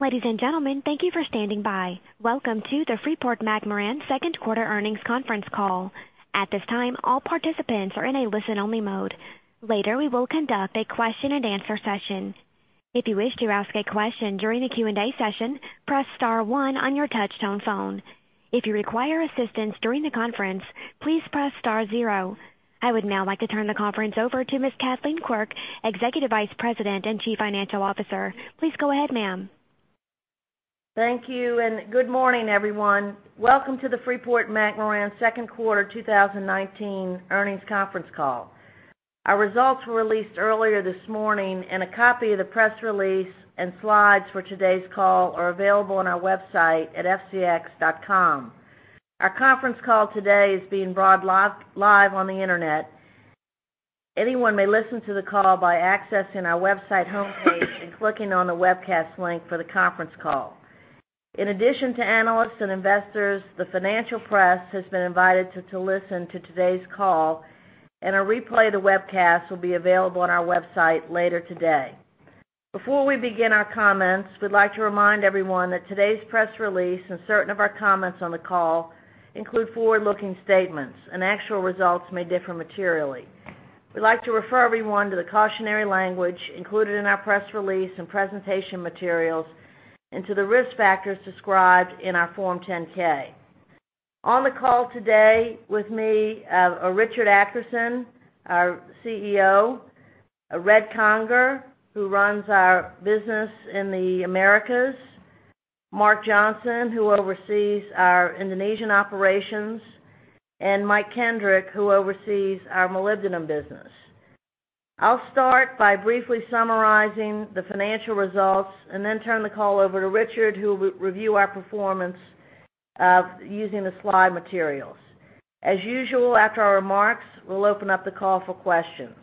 Ladies and gentlemen, thank you for standing by. Welcome to the Freeport-McMoRan second quarter earnings conference call. At this time, all participants are in a listen-only mode. Later, we will conduct a Q&A session. If you wish to ask a question during the Q&A session, press star one on your touchtone phone. If you require assistance during the conference, please press star zero. I would now like to turn the conference over to Ms. Kathleen Quirk, Executive Vice President and Chief Financial Officer. Please go ahead, ma'am. Thank you. Good morning, everyone. Welcome to the Freeport-McMoRan second quarter 2019 earnings conference call. Our results were released earlier this morning, and a copy of the press release and slides for today's call are available on our website at fcx.com. Our conference call today is being broadcast live on the internet. Anyone may listen to the call by accessing our website homepage and clicking on the webcast link for the conference call. In addition to analysts and investors, the financial press has been invited to listen to today's call, and a replay of the webcast will be available on our website later today. Before we begin our comments, we'd like to remind everyone that today's press release and certain of our comments on the call include forward-looking statements, and actual results may differ materially. We'd like to refer everyone to the cautionary language included in our press release and presentation materials and to the risk factors described in our Form 10-K. On the call today with me are Richard Adkerson, our CEO, Red Conger, who runs our business in the Americas, Mark Johnson, who oversees our Indonesian operations, and Mike Kendrick, who oversees our molybdenum business. I'll start by briefly summarizing the financial results and then turn the call over to Richard, who will review our performance using the slide materials. As usual, after our remarks, we'll open up the call for questions.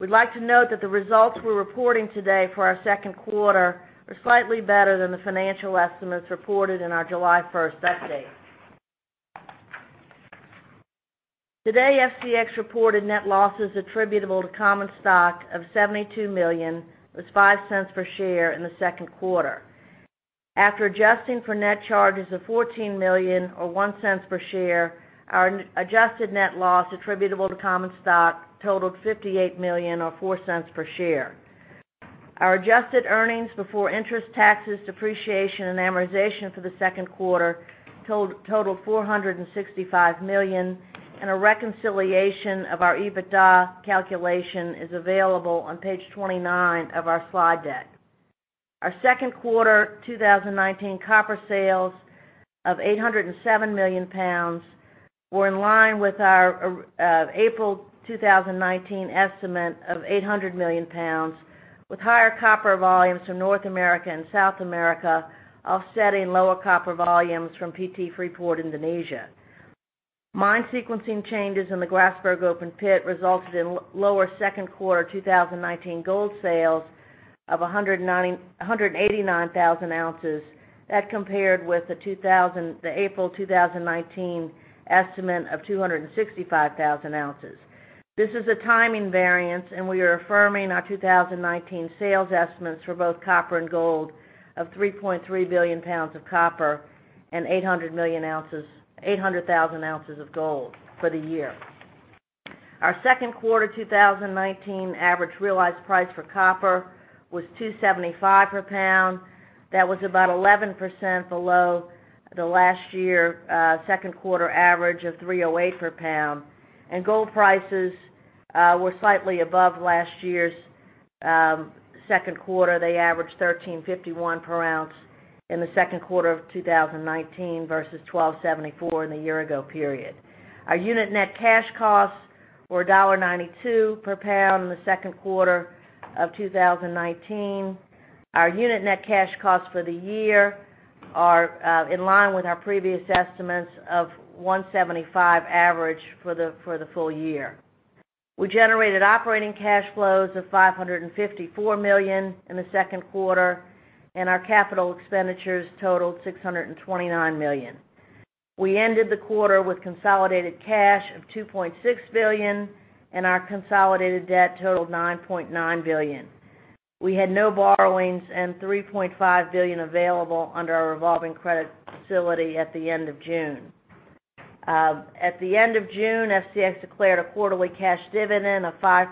We'd like to note that the results we're reporting today for our second quarter are slightly better than the financial estimates reported in our July 1st update. Today, FCX reported net losses attributable to common stock of $72 million, or $0.05 per share in the second quarter. After adjusting for net charges of $14 million, or $0.01 per share, our adjusted net loss attributable to common stock totaled $58 million or $0.04 per share. Our adjusted earnings before interest, taxes, depreciation, and amortization for the second quarter totaled $465 million, and a reconciliation of our EBITDA calculation is available on page 29 of our slide deck. Our second quarter 2019 copper sales of 807 million pounds were in line with our April 2019 estimate of 800 million pounds, with higher copper volumes from North America and South America offsetting lower copper volumes from PT Freeport Indonesia. Mine sequencing changes in the Grasberg open pit resulted in lower second quarter 2019 gold sales of 189,000 oz. That compared with the April 2019 estimate of 265,000 oz. This is a timing variance, we are affirming our 2019 sales estimates for both copper and gold of 3.3 billion pounds of copper and 800,000 oz of gold for the year. Our second quarter 2019 average realized price for copper was $2.75 per pound. That was about 11% below the last year second quarter average of $3.08 per pound. Gold prices were slightly above last year's second quarter. They averaged $1,351 per ounce in the second quarter of 2019 versus $1,274 in the year ago period. Our unit net cash costs were $1.92 per pound in the second quarter of 2019. Our unit net cash costs for the year are in line with our previous estimates of $1.75 average for the full year. We generated operating cash flows of $554 million in the second quarter, and our capital expenditures totaled $629 million. We ended the quarter with consolidated cash of $2.6 billion, and our consolidated debt totaled $9.9 billion. We had no borrowings and $3.5 billion available under our revolving credit facility at the end of June. At the end of June, FCX declared a quarterly cash dividend of $0.05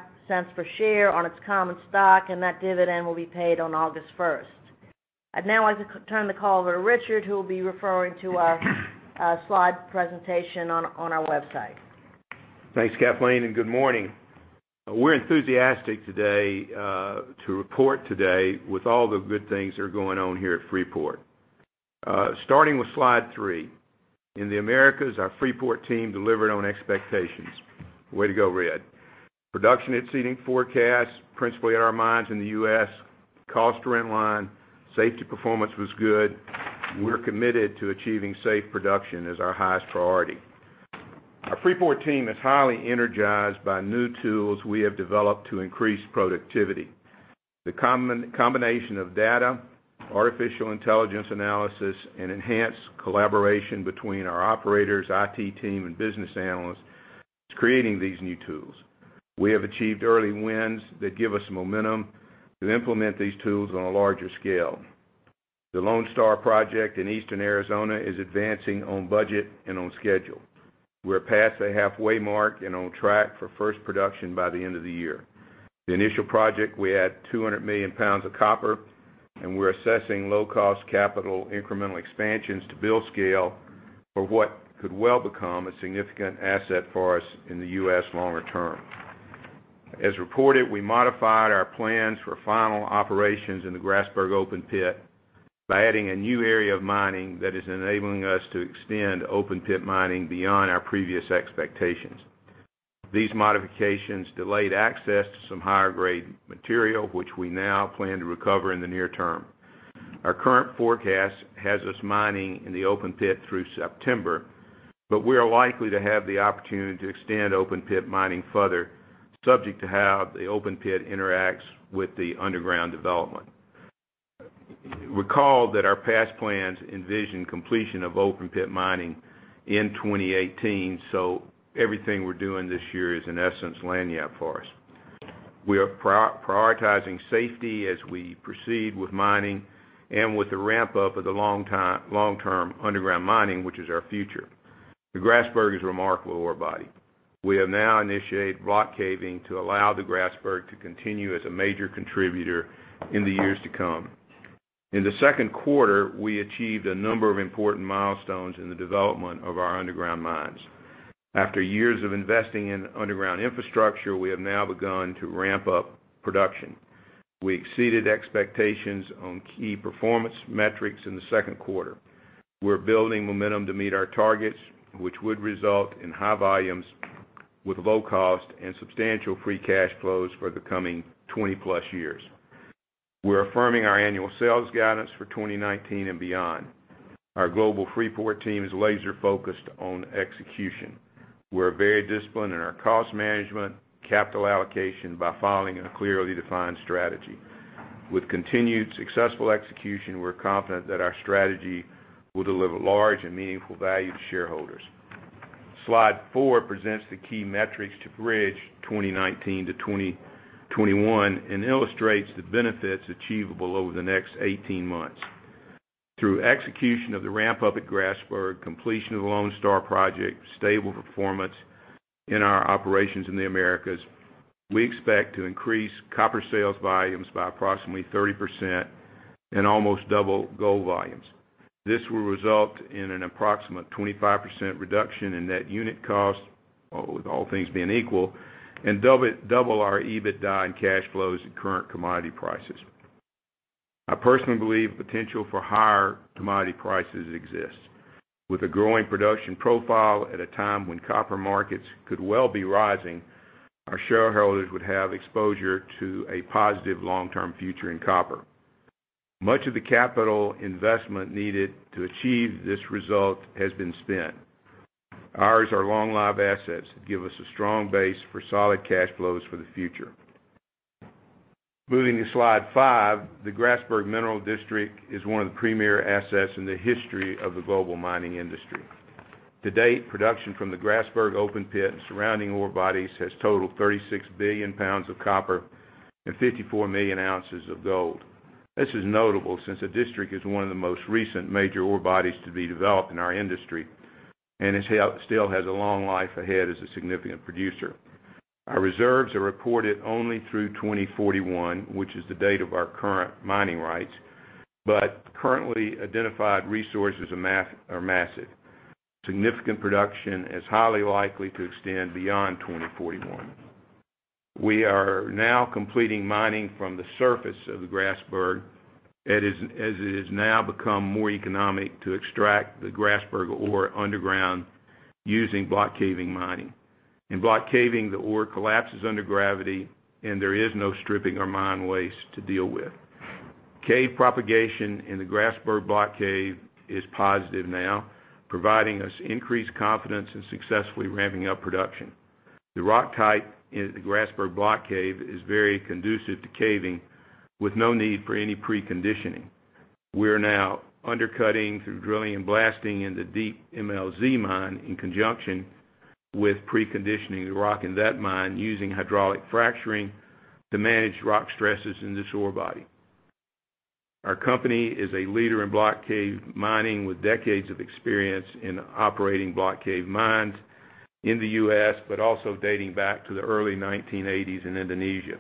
per share on its common stock, and that dividend will be paid on August 1st. I'd now like to turn the call over to Richard, who will be referring to our slide presentation on our website. Thanks, Kathleen, and good morning. We're enthusiastic today to report today with all the good things that are going on here at Freeport. Starting with slide three. In the Americas, our Freeport team delivered on expectations. Way to go, Red. Production exceeding forecasts, principally at our mines in the U.S. Costs were in line. Safety performance was good. We're committed to achieving safe production as our highest priority. Our Freeport team is highly energized by new tools we have developed to increase productivity. The combination of data, artificial intelligence analysis, and enhanced collaboration between our operators, IT team, and business analysts. It's creating these new tools. We have achieved early wins that give us momentum to implement these tools on a larger scale. The Lone Star project in Eastern Arizona is advancing on budget and on schedule. We're past the halfway mark and on track for first production by the end of the year. The initial project, we add 200 million pounds of copper, and we're assessing low-cost capital incremental expansions to build scale for what could well become a significant asset for us in the U.S. longer term. As reported, we modified our plans for final operations in the Grasberg open pit by adding a new area of mining that is enabling us to extend open pit mining beyond our previous expectations. These modifications delayed access to some higher-grade material, which we now plan to recover in the near term. Our current forecast has us mining in the open pit through September, but we are likely to have the opportunity to extend open-pit mining further, subject to how the open pit interacts with the underground development. Recall that our past plans envisioned completion of open-pit mining in 2018, everything we're doing this year is in essence land grab for us. We are prioritizing safety as we proceed with mining and with the ramp-up of the long-term underground mining, which is our future. The Grasberg is a remarkable ore body. We have now initiated block caving to allow the Grasberg to continue as a major contributor in the years to come. In the second quarter, we achieved a number of important milestones in the development of our underground mines. After years of investing in underground infrastructure, we have now begun to ramp up production. We exceeded expectations on key performance metrics in the second quarter. We're building momentum to meet our targets, which would result in high volumes with low cost and substantial free cash flows for the coming 20-plus years. We're affirming our annual sales guidance for 2019 and beyond. Our global Freeport team is laser-focused on execution. We're very disciplined in our cost management, capital allocation by following a clearly defined strategy. With continued successful execution, we're confident that our strategy will deliver large and meaningful value to shareholders. Slide four presents the key metrics to bridge 2019 to 2021 and illustrates the benefits achievable over the next 18 months. Through execution of the ramp-up at Grasberg, completion of the Lone Star project, stable performance in our operations in the Americas, we expect to increase copper sales volumes by approximately 30% and almost double gold volumes. This will result in an approximate 25% reduction in net unit cost, with all things being equal, and double our EBITDA and cash flows at current commodity prices. I personally believe potential for higher commodity prices exists. With a growing production profile at a time when copper markets could well be rising, our shareholders would have exposure to a positive long-term future in copper. Much of the capital investment needed to achieve this result has been spent. Ours are long-lived assets that give us a strong base for solid cash flows for the future. Moving to slide five, the Grasberg Mineral District is one of the premier assets in the history of the global mining industry. To date, production from the Grasberg open pit and surrounding ore bodies has totaled 36 billion pounds of copper and 54 million ounces of gold. This is notable since the district is one of the most recent major ore bodies to be developed in our industry and it still has a long life ahead as a significant producer. Our reserves are reported only through 2041, which is the date of our current mining rights. Currently identified resources are massive. Significant production is highly likely to extend beyond 2041. We are now completing mining from the surface of the Grasberg as it has now become more economic to extract the Grasberg ore underground using block caving mining. In block caving, the ore collapses under gravity. There is no stripping or mine waste to deal with. Cave propagation in the Grasberg Block Cave is positive now, providing us increased confidence in successfully ramping up production. The rock type in the Grasberg Block Cave is very conducive to caving with no need for any preconditioning. We're now undercutting through drilling and blasting in the Deep MLZ mine in conjunction with preconditioning the rock in that mine using hydraulic fracturing to manage rock stresses in this ore body. Our company is a leader in block cave mining with decades of experience in operating block cave mines in the U.S., but also dating back to the early 1980s in Indonesia.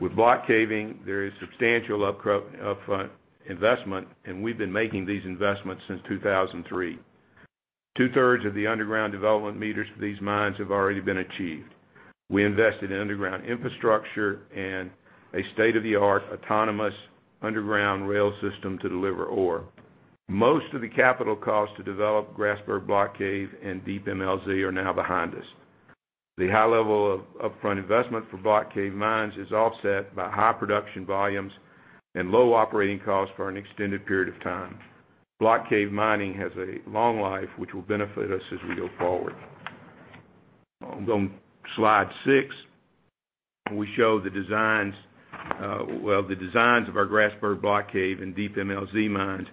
With block caving, there is substantial upfront investment, and we've been making these investments since 2003. Two-thirds of the underground development meters for these mines have already been achieved. We invested in underground infrastructure and a state-of-the-art autonomous underground rail system to deliver ore. Most of the capital cost to develop Grasberg Block Cave and Deep MLZ are now behind us. The high level of upfront investment for block cave mines is offset by high production volumes and low operating costs for an extended period of time. Block cave mining has a long life, which will benefit us as we go forward. On slide six, we show the designs of our Grasberg Block Cave and Deep MLZ mines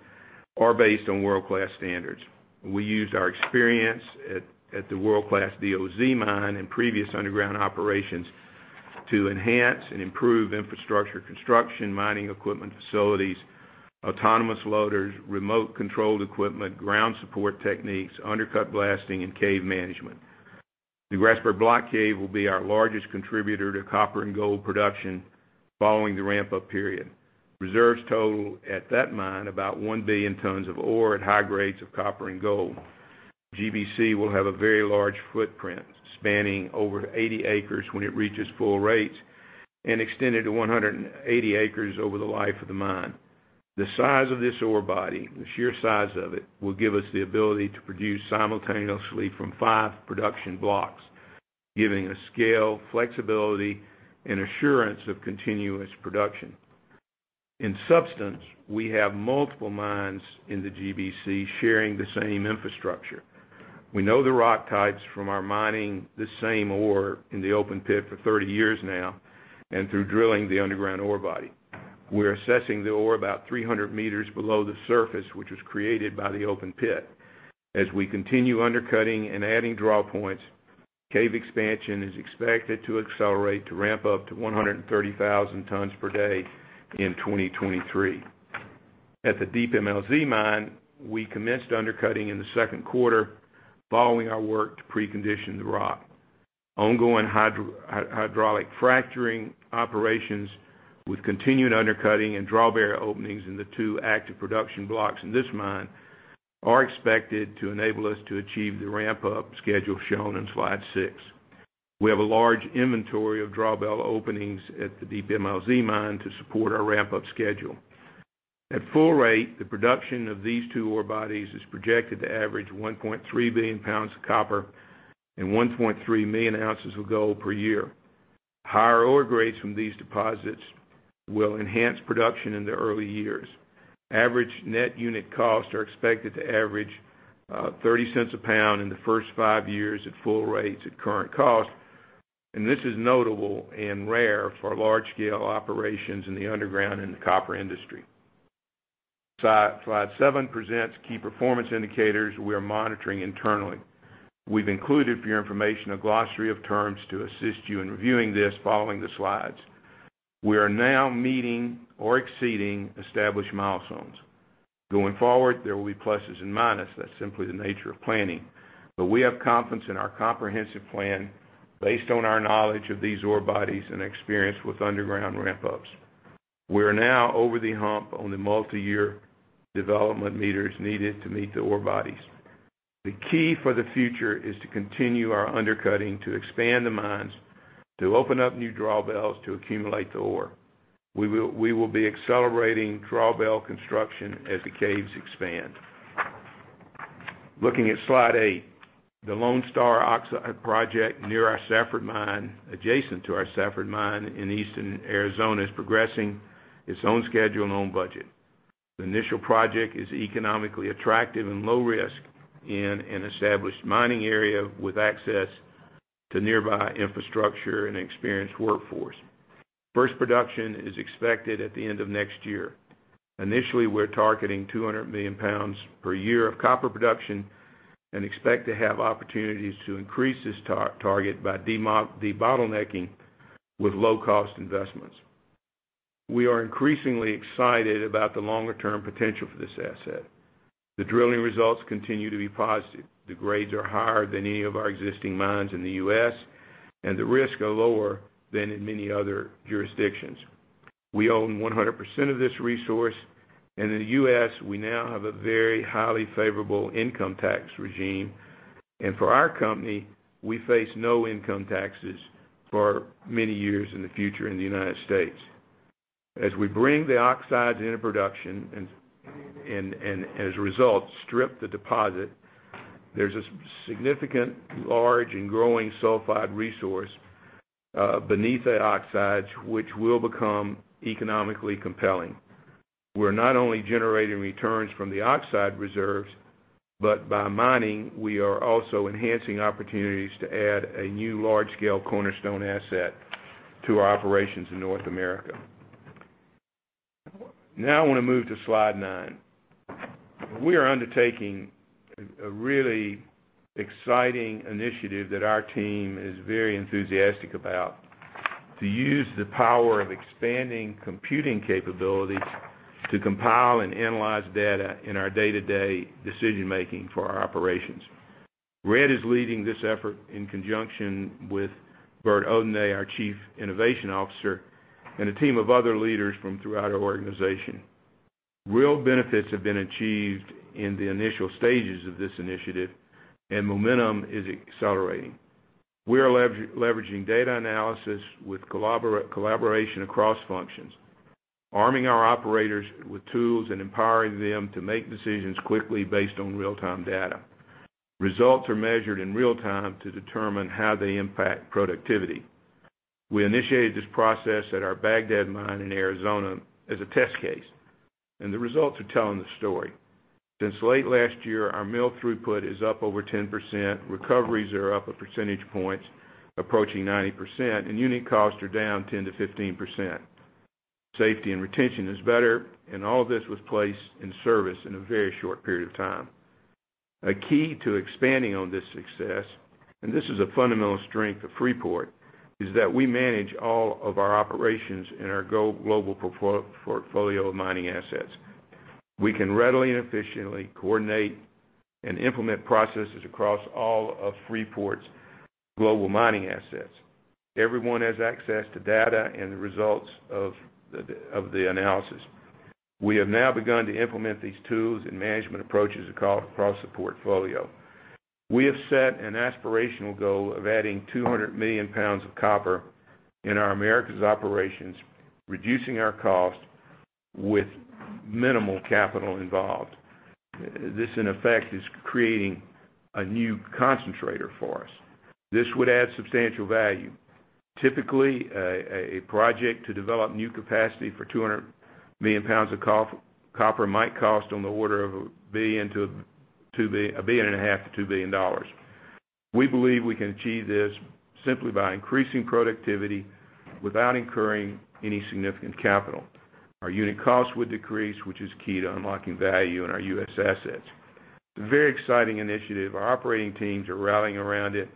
are based on world-class standards. We used our experience at the world-class DOZ mine and previous underground operations to enhance and improve infrastructure construction, mining equipment facilities, autonomous loaders, remote controlled equipment, ground support techniques, undercut blasting, and cave management. The Grasberg Block Cave will be our largest contributor to copper and gold production following the ramp-up period. Reserves total at that mine about 1 billion tons of ore at high grades of copper and gold. GBC will have a very large footprint, spanning over 80 acres when it reaches full rates and extended to 180 acres over the life of the mine. The size of this ore body, the sheer size of it, will give us the ability to produce simultaneously from five production blocks, giving a scale, flexibility, and assurance of continuous production. In substance, we have multiple mines in the GBC sharing the same infrastructure. We know the rock types from our mining the same ore in the open pit for 30 years now and through drilling the underground ore body. We're assessing the ore about 300 m below the surface, which was created by the open pit. As we continue undercutting and adding drawpoints, cave expansion is expected to accelerate to ramp up to 130,000 tons per day in 2023. At the Deep MLZ mine, we commenced undercutting in the second quarter following our work to precondition the rock. Ongoing hydraulic fracturing operations with continued undercutting and drawbell openings in the two active production blocks in this mine are expected to enable us to achieve the ramp-up schedule shown in slide six. We have a large inventory of drawbell openings at the Deep MLZ mine to support our ramp-up schedule. At full rate, the production of these two ore bodies is projected to average 1.3 billion pounds of copper and 1.3 million ounces of gold per year. Higher ore grades from these deposits will enhance production in the early years. Average net unit costs are expected to average $0.30 a pound in the first five years at full rates at current cost. This is notable and rare for large-scale operations in the underground and the copper industry. Slide seven presents key performance indicators we are monitoring internally. We've included for your information a glossary of terms to assist you in reviewing this following the slides. We are now meeting or exceeding established milestones. Going forward, there will be pluses and minuses. That's simply the nature of planning. We have confidence in our comprehensive plan based on our knowledge of these ore bodies and experience with underground ramp-ups. We are now over the hump on the multi-year development meters needed to meet the ore bodies. The key for the future is to continue our undercutting to expand the mines, to open up new drawbells to accumulate the ore. We will be accelerating drawbell construction as the caves expand. Looking at slide eight, the Lone Star oxide project near our Safford mine, adjacent to our Safford mine in eastern Arizona, is progressing its on schedule and on budget. The initial project is economically attractive and low risk in an established mining area with access to nearby infrastructure and experienced workforce. First production is expected at the end of next year. Initially, we're targeting 200 million pounds per year of copper production and expect to have opportunities to increase this target by debottlenecking with low-cost investments. We are increasingly excited about the longer-term potential for this asset. The drilling results continue to be positive. The grades are higher than any of our existing mines in the U.S., and the risks are lower than in many other jurisdictions. We own 100% of this resource, and in the U.S., we now have a very highly favorable income tax regime. For our company, we face no income taxes for many years in the future in the United States. As we bring the oxides into production, and as a result, strip the deposit, there's a significant large and growing sulfide resource beneath the oxides, which will become economically compelling. We're not only generating returns from the oxide reserves, but by mining, we are also enhancing opportunities to add a new large-scale cornerstone asset to our operations in North America. Now I want to move to slide nine. We are undertaking a really exciting initiative that our team is very enthusiastic about to use the power of expanding computing capabilities to compile and analyze data in our day-to-day decision-making for our operations. Red is leading this effort in conjunction with Bert Odinet, our Chief Innovation Officer, and a team of other leaders from throughout our organization. Real benefits have been achieved in the initial stages of this initiative, and momentum is accelerating. We are leveraging data analysis with collaboration across functions, arming our operators with tools and empowering them to make decisions quickly based on real-time data. Results are measured in real time to determine how they impact productivity. We initiated this process at our Bagdad mine in Arizona as a test case. The results are telling the story. Since late last year, our mill throughput is up over 10%, recoveries are up a percentage point, approaching 90%, and unit costs are down 10%-15%. Safety and retention is better. All of this was placed in service in a very short period of time. A key to expanding on this success, and this is a fundamental strength of Freeport, is that we manage all of our operations in our global portfolio of mining assets. We can readily and efficiently coordinate and implement processes across all of Freeport's global mining assets. Everyone has access to data and the results of the analysis. We have now begun to implement these tools and management approaches across the portfolio. We have set an aspirational goal of adding 200 million pounds of copper in our Americas operations, reducing our cost with minimal capital involved. This, in effect, is creating a new concentrator for us. This would add substantial value. Typically, a project to develop new capacity for 200 million pounds of copper might cost on the order of a billion and a half to $2 billion. We believe we can achieve this simply by increasing productivity without incurring any significant capital. Our unit costs would decrease, which is key to unlocking value in our U.S. assets. It's a very exciting initiative. Our operating teams are rallying around it.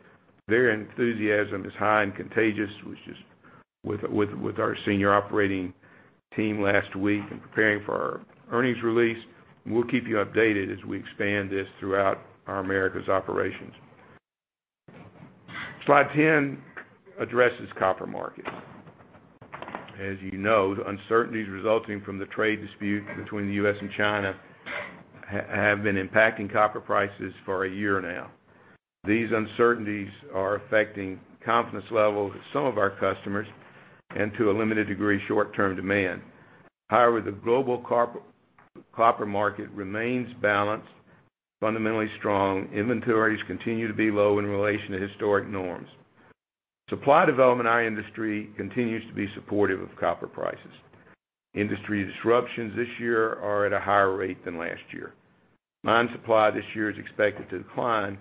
Their enthusiasm is high and contagious, as was just with our senior operating team last week in preparing for our earnings release. We'll keep you updated as we expand this throughout our Americas operations. Slide 10 addresses copper markets. As you know, the uncertainties resulting from the trade dispute between the U.S. and China have been impacting copper prices for a year now. These uncertainties are affecting confidence levels of some of our customers and, to a limited degree, short-term demand. However, the global copper market remains balanced. Fundamentally strong. Inventories continue to be low in relation to historic norms. Supply development in our industry continues to be supportive of copper prices. Industry disruptions this year are at a higher rate than last year. Mine supply this year is expected to decline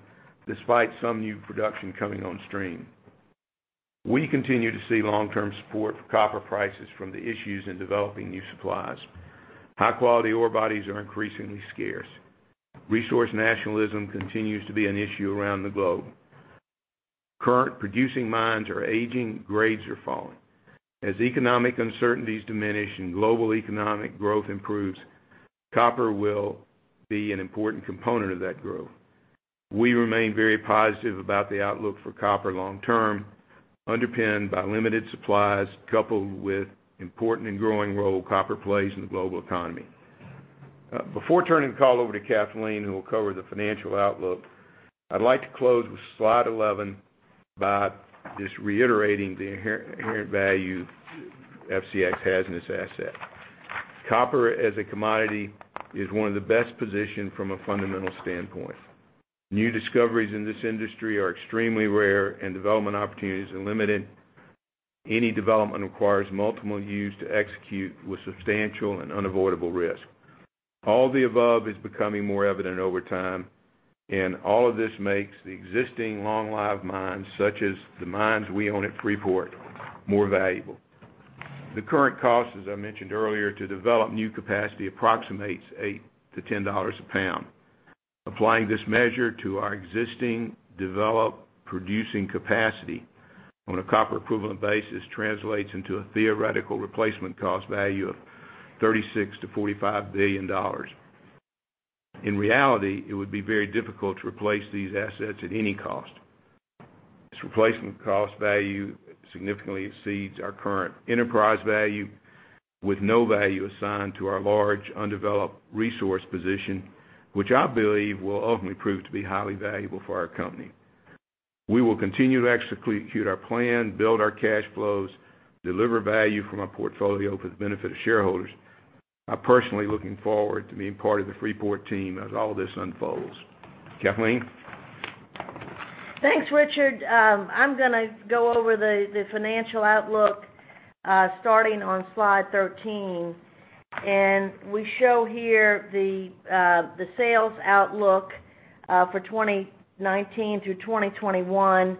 despite some new production coming on stream. We continue to see long-term support for copper prices from the issues in developing new supplies. High-quality ore bodies are increasingly scarce. Resource nationalism continues to be an issue around the globe. Current producing mines are aging, grades are falling. As economic uncertainties diminish and global economic growth improves, copper will be an important component of that growth. We remain very positive about the outlook for copper long term, underpinned by limited supplies, coupled with important and growing role copper plays in the global economy. Before turning the call over to Kathleen, who will cover the financial outlook, I'd like to close with slide 11 by just reiterating the inherent value FCX has in its asset. Copper as a commodity is one of the best positioned from a fundamental standpoint. New discoveries in this industry are extremely rare and development opportunities are limited. Any development requires multiple years to execute with substantial and unavoidable risk. All the above is becoming more evident over time, and all of this makes the existing long-live mines, such as the mines we own at Freeport, more valuable. The current cost, as I mentioned earlier, to develop new capacity approximates $8-$10 a pound. Applying this measure to our existing developed producing capacity on a copper equivalent basis translates into a theoretical replacement cost value of $36 billion-$45 billion. In reality, it would be very difficult to replace these assets at any cost. This replacement cost value significantly exceeds our current enterprise value with no value assigned to our large undeveloped resource position, which I believe will ultimately prove to be highly valuable for our company. We will continue to execute our plan, build our cash flows, deliver value from our portfolio for the benefit of shareholders. I'm personally looking forward to being part of the Freeport team as all this unfolds. Kathleen? Thanks, Richard. I'm going to go over the financial outlook starting on slide 13. We show here the sales outlook for 2019 through 2021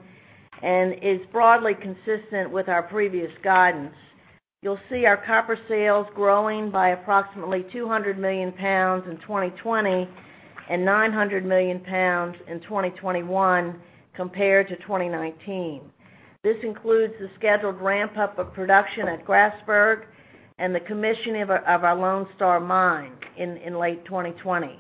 and is broadly consistent with our previous guidance. You'll see our copper sales growing by approximately 200 million pounds in 2020 and 900 million pounds in 2021 compared to 2019. This includes the scheduled ramp-up of production at Grasberg and the commissioning of our Lone Star mine in late 2020.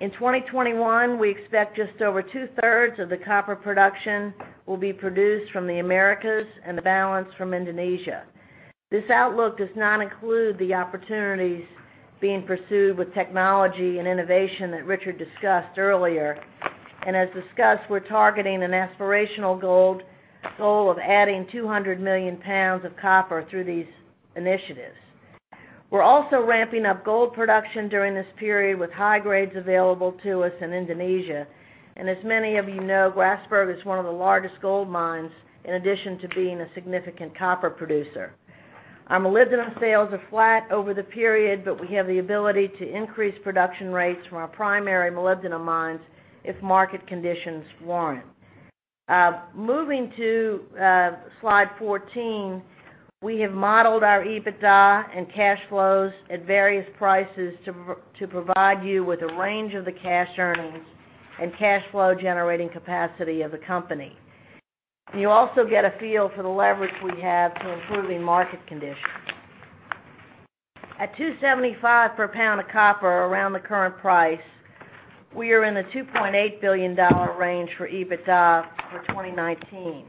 In 2021, we expect just over two-thirds of the copper production will be produced from the Americas and the balance from Indonesia. This outlook does not include the opportunities being pursued with technology and innovation that Richard discussed earlier. As discussed, we're targeting an aspirational goal of adding 200 million pounds of copper through these initiatives. We're also ramping up gold production during this period with high grades available to us in Indonesia. As many of you know, Grasberg is one of the largest gold mines in addition to being a significant copper producer. Our molybdenum sales are flat over the period, but we have the ability to increase production rates from our primary molybdenum mines if market conditions warrant. Moving to slide 14, we have modeled our EBITDA and cash flows at various prices to provide you with a range of the cash earnings and cash flow generating capacity of the company. You also get a feel for the leverage we have to improving market conditions. At $2.75 per pound of copper, around the current price, we are in the $2.8 billion range for EBITDA for 2019.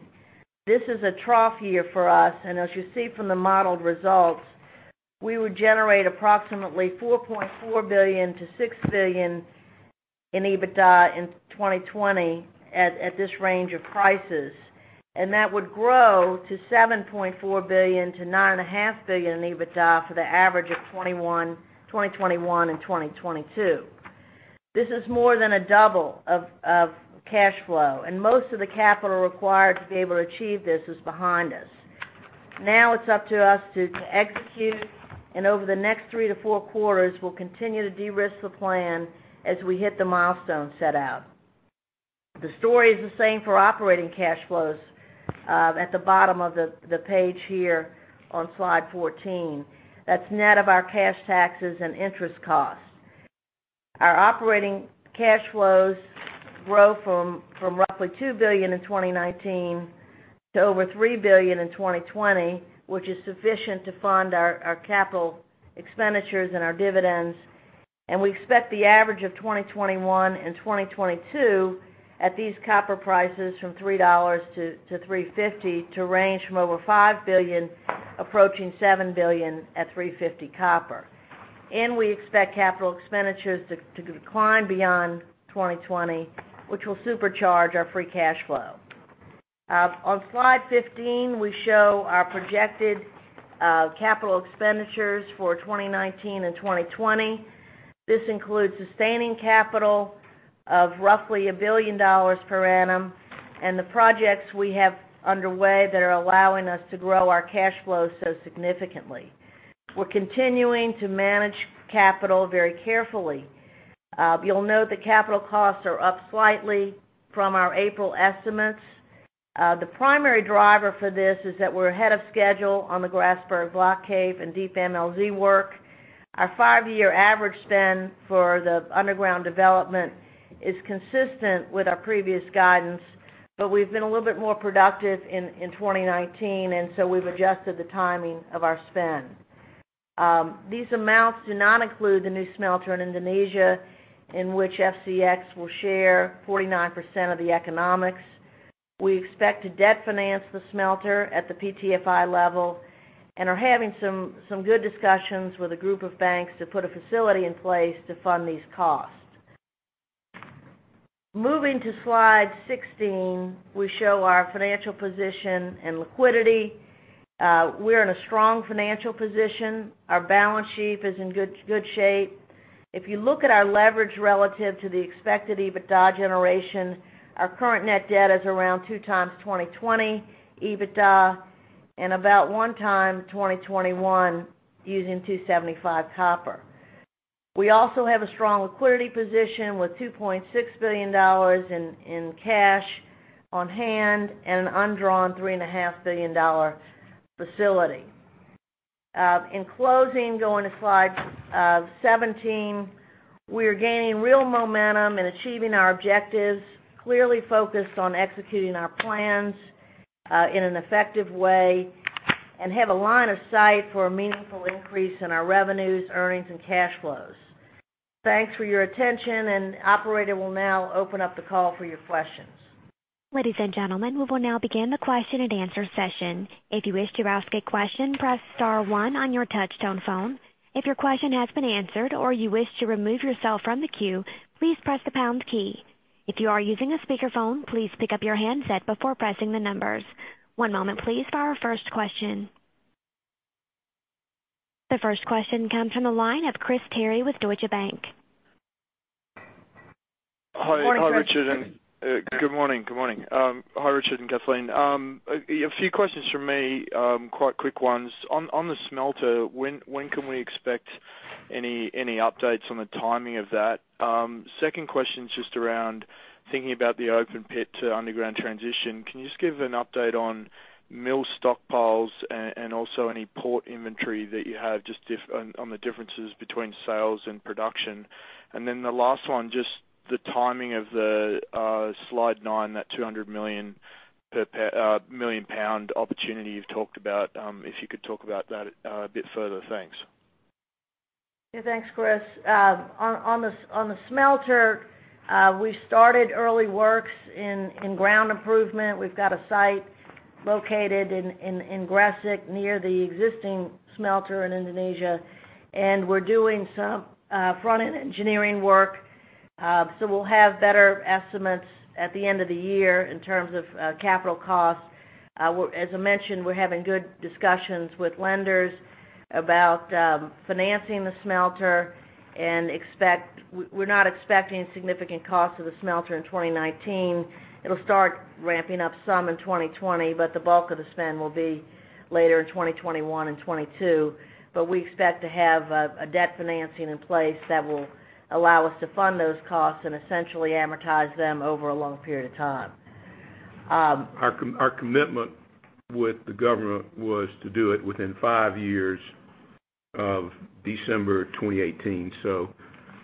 This is a trough year for us. As you see from the modeled results, we would generate approximately $4.4 billion-$6 billion in EBITDA in 2020 at this range of prices. That would grow to $7.4 billion to $9.5 billion in EBITDA for the average of 2021, and 2022. This is more than a double of cash flow, and most of the capital required to be able to achieve this is behind us. Now it's up to us to execute, and over the next three to four quarters, we'll continue to de-risk the plan as we hit the milestones set out. The story is the same for operating cash flows at the bottom of the page here on slide 14. That's net of our cash taxes and interest costs. Our operating cash flows grow from roughly $2 billion in 2019 to over $3 billion in 2020, which is sufficient to fund our capital expenditures and our dividends. We expect the average of 2021 and 2022 at these copper prices from $3-$3.50 to range from over $5 billion, approaching $7 billion at $3.50 copper. We expect capital expenditures to decline beyond 2020, which will supercharge our free cash flow. On slide 15, we show our projected capital expenditures for 2019 and 2020. This includes sustaining capital of roughly $1 billion per annum, and the projects we have underway that are allowing us to grow our cash flows so significantly. We're continuing to manage capital very carefully. You'll note the capital costs are up slightly from our April estimates. The primary driver for this is that we're ahead of schedule on the Grasberg Block Cave and Deep MLZ work. Our five-year average spend for the underground development is consistent with our previous guidance, but we've been a little bit more productive in 2019, and so we've adjusted the timing of our spend. These amounts do not include the new smelter in Indonesia, in which FCX will share 49% of the economics. We expect to debt finance the smelter at the PTFI level and are having some good discussions with a group of banks to put a facility in place to fund these costs. Moving to slide 16, we show our financial position and liquidity. We're in a strong financial position. Our balance sheet is in good shape. If you look at our leverage relative to the expected EBITDA generation, our current net debt is around 2x 2020 EBITDA and about 1x 2021 using $2.75 copper. We also have a strong liquidity position with $2.6 billion in cash on hand and an undrawn $3.5 billion facility. In closing, going to slide 17, we are gaining real momentum in achieving our objectives, clearly focused on executing our plans in an effective way and have a line of sight for a meaningful increase in our revenues, earnings, and cash flows. Thanks for your attention. Operator will now open up the call for your questions. Ladies and gentlemen, we will now begin the Q&A session. If you wish to ask a question, press star one on your touchtone phone. If your question has been answered or you wish to remove yourself from the queue, please press the pound key. If you are using a speakerphone, please pick up your handset before pressing the numbers. One moment please for our first question. The first question comes from the line of Chris Terry with Deutsche Bank. Morning, Chris. Hi, Richard and good morning. Hi, Richard and Kathleen. A few questions from me, quite quick ones. On the smelter, when can we expect any updates on the timing of that? Second question is just around thinking about the open pit to underground transition. Can you just give an update on mill stockpiles and also any port inventory that you have on the differences between sales and production? The last one, just the timing of the slide nine, that 200 million pound opportunity you've talked about, if you could talk about that a bit further. Thanks. Yeah. Thanks, Chris. On the smelter, we started early works in ground improvement. We've got a site located in Gresik, near the existing smelter in Indonesia, and we're doing some front-end engineering work. We'll have better estimates at the end of the year in terms of capital costs. As I mentioned, we're having good discussions with lenders about financing the smelter, we're not expecting significant cost to the smelter in 2019. It'll start ramping up some in 2020, but the bulk of the spend will be later in 2021 and 2022. We expect to have a debt financing in place that will allow us to fund those costs and essentially amortize them over a long period of time. Our commitment with the government was to do it within five years of December 2018.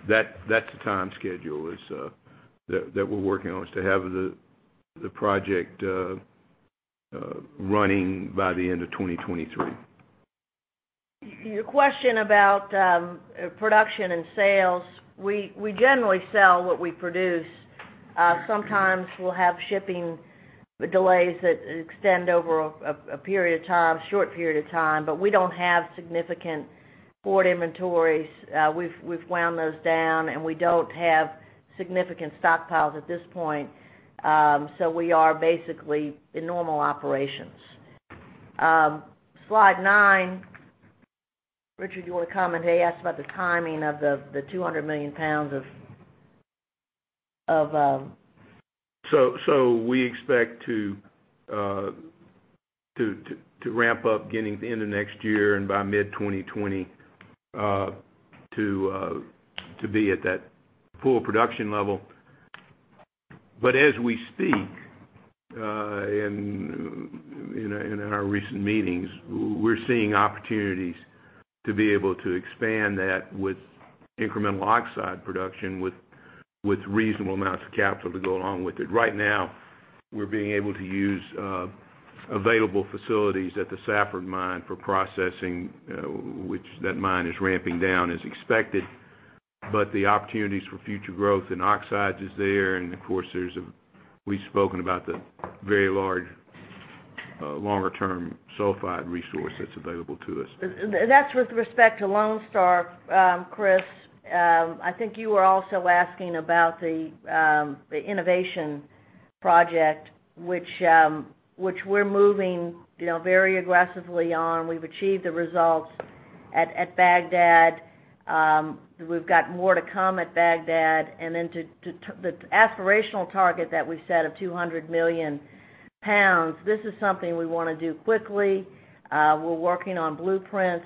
That's the time schedule that we're working on, is to have the project running by the end of 2023. Your question about production and sales, we generally sell what we produce. Sometimes we'll have shipping delays that extend over a period of time, short period of time. We don't have significant forward inventories. We've wound those down. We don't have significant stockpiles at this point. We are basically in normal operations. Slide nine. Richard, you want to comment? They asked about the timing of the 200 million pounds of We expect to ramp up getting the end of next year and by mid-2020 to be at that full production level. As we speak, in our recent meetings, we're seeing opportunities to be able to expand that with incremental oxide production, with reasonable amounts of capital to go along with it. Right now, we're being able to use available facilities at the Safford mine for processing, which that mine is ramping down as expected. The opportunities for future growth in oxides is there, and of course, we've spoken about the very large longer-term sulfide resource that's available to us. That's with respect to Lone Star. Chris, I think you were also asking about the innovation project, which we're moving very aggressively on. We've achieved the results at Bagdad. We've got more to come at Bagdad. The aspirational target that we set of 200 million pounds, this is something we want to do quickly. We're working on blueprints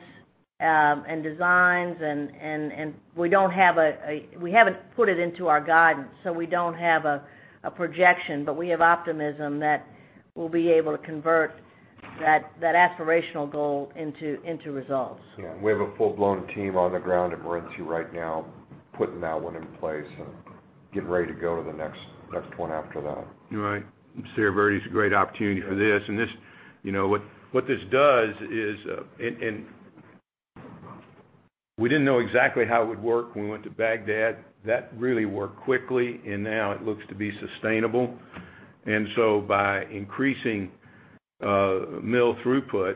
and designs, and we haven't put it into our guidance, so we don't have a projection, but we have optimism that we'll be able to convert that aspirational goal into results. We have a full-blown team on the ground at Morenci right now putting that one in place and getting ready to go to the next one after that. Right. Cerro Verde's a great opportunity for this. What this does, we didn't know exactly how it would work when we went to Bagdad. That really worked quickly, and now it looks to be sustainable. By increasing mill throughput,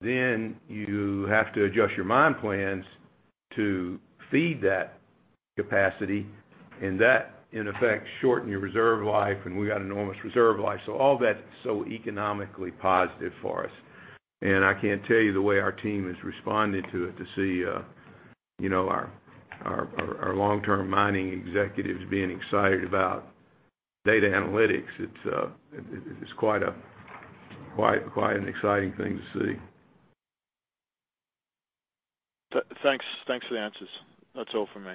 then you have to adjust your mine plans to feed that capacity, and that, in effect, shorten your reserve life, and we've got enormous reserve life. All that's so economically positive for us. I can't tell you the way our team has responded to it to see our long-term mining executives being excited about data analytics. It's quite an exciting thing to see. Thanks for the answers. That's all from me.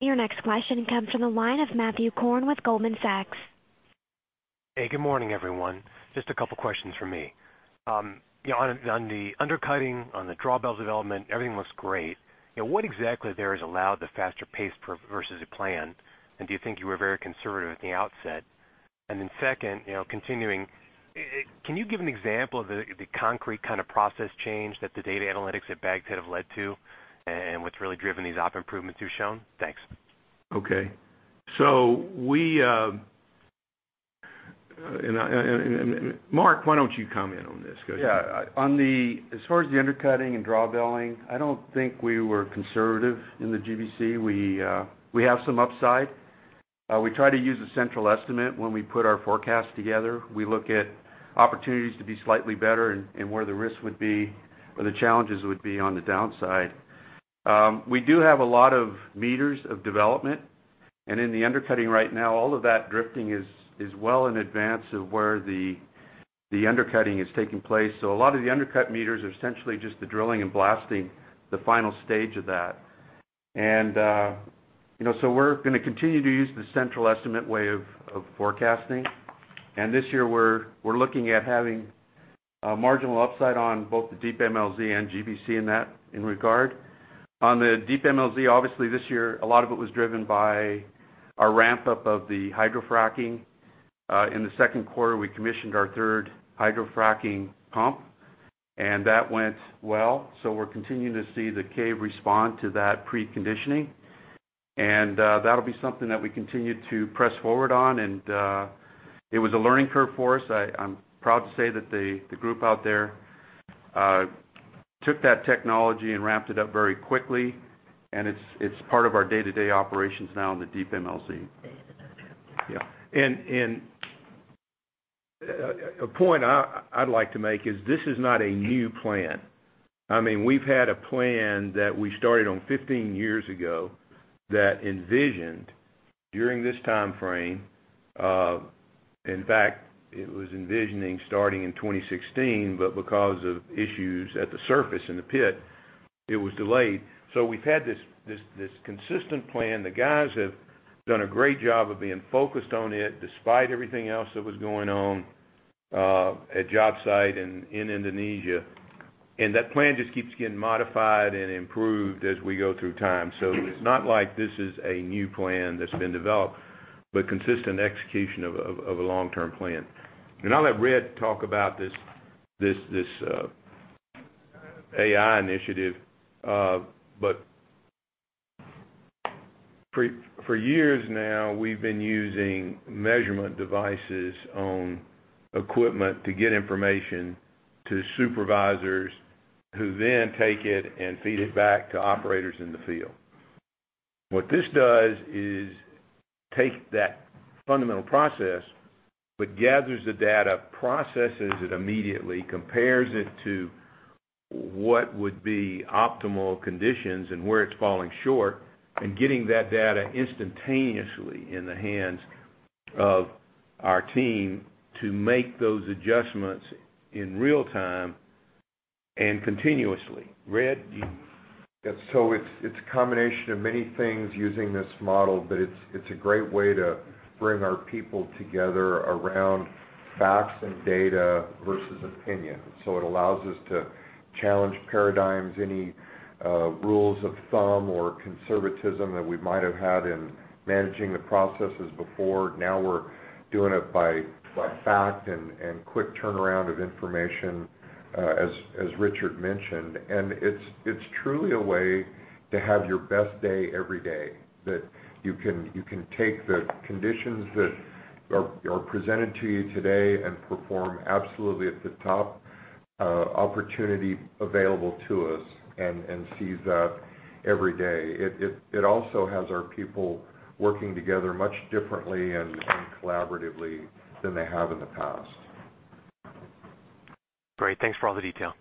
Your next question comes from the line of Matthew Korn with Goldman Sachs. Hey, good morning, everyone. Just a couple questions from me. On the undercutting, on the drawbell development, everything looks great. What exactly there has allowed the faster pace versus the plan? Do you think you were very conservative at the outset? Second, continuing, can you give an example of the concrete kind of process change that the data analytics at Bagdad have led to and what's really driven these op improvements you've shown? Thanks. Okay. Mark, why don't you comment on this? Go ahead. Yeah. As far as the undercutting and drawbelling, I don't think we were conservative in the GBC. We have some upside. We try to use a central estimate when we put our forecast together. We look at opportunities to be slightly better and where the risks would be, or the challenges would be on the downside. We do have a lot of meters of development, and in the undercutting right now, all of that drifting is well in advance of where the undercutting is taking place. A lot of the undercut meters are essentially just the drilling and blasting, the final stage of that. We're going to continue to use the central estimate way of forecasting. This year we're looking at having a marginal upside on both the Deep MLZ and GBC in that regard. On the Deep MLZ, obviously this year, a lot of it was driven by our ramp-up of the hydrofracking. In the second quarter, we commissioned our third hydrofracking pump, and that went well. We're continuing to see the cave respond to that preconditioning. That'll be something that we continue to press forward on, and it was a learning curve for us. I'm proud to say that the group out there took that technology and ramped it up very quickly, and it's part of our day-to-day operations now in the Deep MLZ. A point I'd like to make is this is not a new plan. We've had a plan that we started on 15 years ago that envisioned during this timeframe. In fact, it was envisioning starting in 2016. Because of issues at the surface in the pit, it was delayed. We've had this consistent plan. The guys have done a great job of being focused on it despite everything else that was going on at job site and in Indonesia. That plan just keeps getting modified and improved as we go through time. It's not like this is a new plan that's been developed, but consistent execution of a long-term plan. I'll let Red talk about this AI initiative. For years now, we've been using measurement devices on equipment to get information to supervisors who then take it and feed it back to operators in the field. What this does is take that fundamental process, but gathers the data, processes it immediately, compares it to what would be optimal conditions and where it's falling short, and getting that data instantaneously in the hands of our team to make those adjustments in real time and continuously. Red? It's a combination of many things using this model, but it's a great way to bring our people together around facts and data versus opinion. It allows us to challenge paradigms, any rules of thumb or conservatism that we might have had in managing the processes before. Now we're doing it by fact and quick turnaround of information, as Richard mentioned. It's truly a way to have your best day every day, that you can take the conditions that are presented to you today and perform absolutely at the top opportunity available to us and seize that every day. It also has our people working together much differently and more collaboratively than they have in the past. Great. Thanks for all the detail.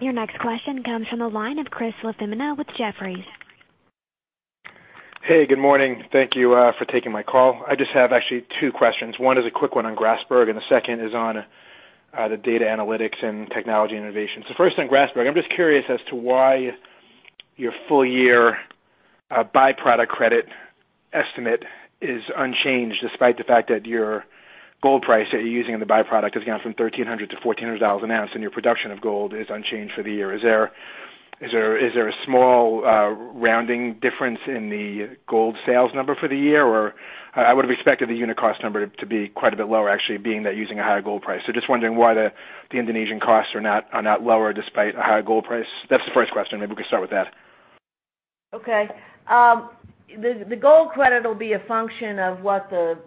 Your next question comes from the line of Chris LaFemina with Jefferies. Hey, good morning. Thank you for taking my call. I just have actually two questions. One is a quick one on Grasberg, and the second is on the data analytics and technology innovation. First on Grasberg, I'm just curious as to why your full year by-product credit estimate is unchanged despite the fact that your gold price that you're using in the by-product has gone from $1,300 to $1,400 an ounce, and your production of gold is unchanged for the year. Is there a small rounding difference in the gold sales number for the year, or I would have expected the unit cost number to be quite a bit lower, actually, being that using a higher gold price. Just wondering why the Indonesian costs are not lower despite a higher gold price. That's the first question. Maybe we could start with that. Okay. The gold credit will be a function of what the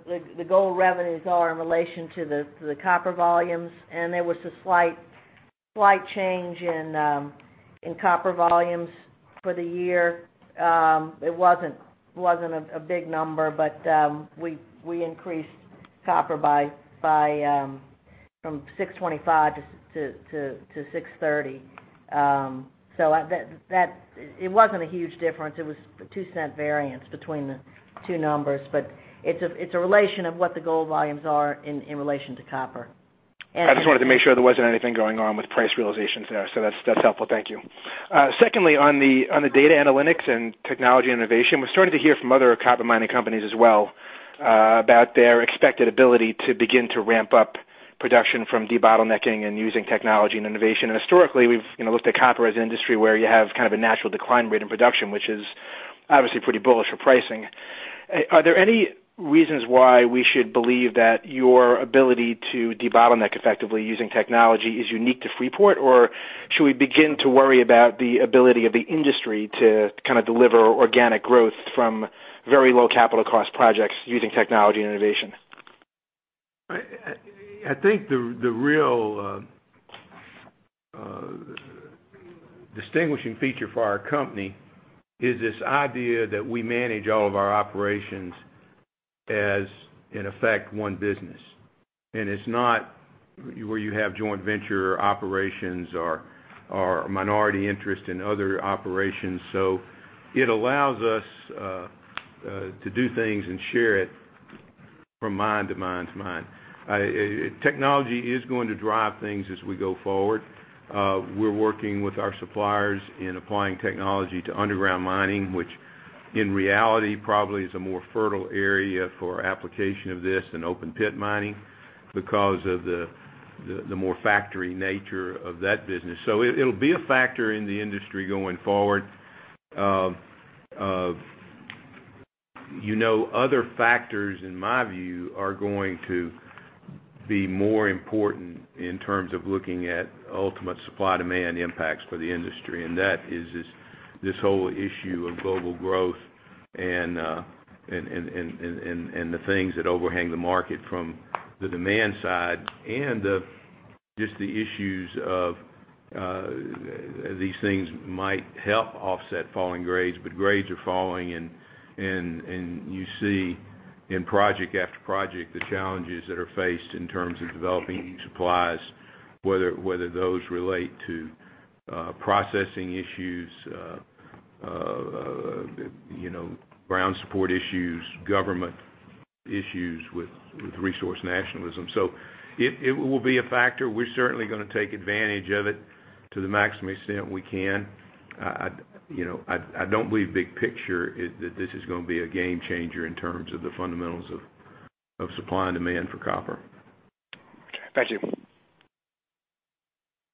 gold revenues are in relation to the copper volumes, and there was a slight change in copper volumes for the year. It wasn't a big number, but we increased copper from 625 to 630. It wasn't a huge difference. It was a $0.02 variance between the two numbers, but it's a relation of what the gold volumes are in relation to copper. I just wanted to make sure there wasn't anything going on with price realizations there. So that's helpful. Thank you. Secondly, on the data analytics and technology innovation, we're starting to hear from other copper mining companies as well about their expected ability to begin to ramp up production from de-bottlenecking and using technology and innovation. And historically, we've looked at copper as an industry where you have kind of a natural decline rate in production, which is obviously pretty bullish for pricing. Are there any reasons why we should believe that your ability to de-bottleneck effectively using technology is unique to Freeport? Or should we begin to worry about the ability of the industry to kind of deliver organic growth from very low capital cost projects using technology and innovation? I think the real distinguishing feature for our company is this idea that we manage all of our operations as, in effect, one business. It's not where you have joint venture operations or minority interest in other operations. It allows us to do things and share it from mine to mine to mine. Technology is going to drive things as we go forward. We're working with our suppliers in applying technology to underground mining, which in reality probably is a more fertile area for application of this than open pit mining because of the more factory nature of that business. It'll be a factor in the industry going forward. Other factors, in my view, are going to be more important in terms of looking at ultimate supply-demand impacts for the industry, and that is this whole issue of global growth and the things that overhang the market from the demand side and the issues of these things might help offset falling grades, but grades are falling and you see in project after project the challenges that are faced in terms of developing these supplies, whether those relate to processing issues, ground support issues, government issues with resource nationalism. It will be a factor. We're certainly going to take advantage of it to the maximum extent we can. I don't believe big picture that this is going to be a game changer in terms of the fundamentals of supply and demand for copper. Okay. Thank you.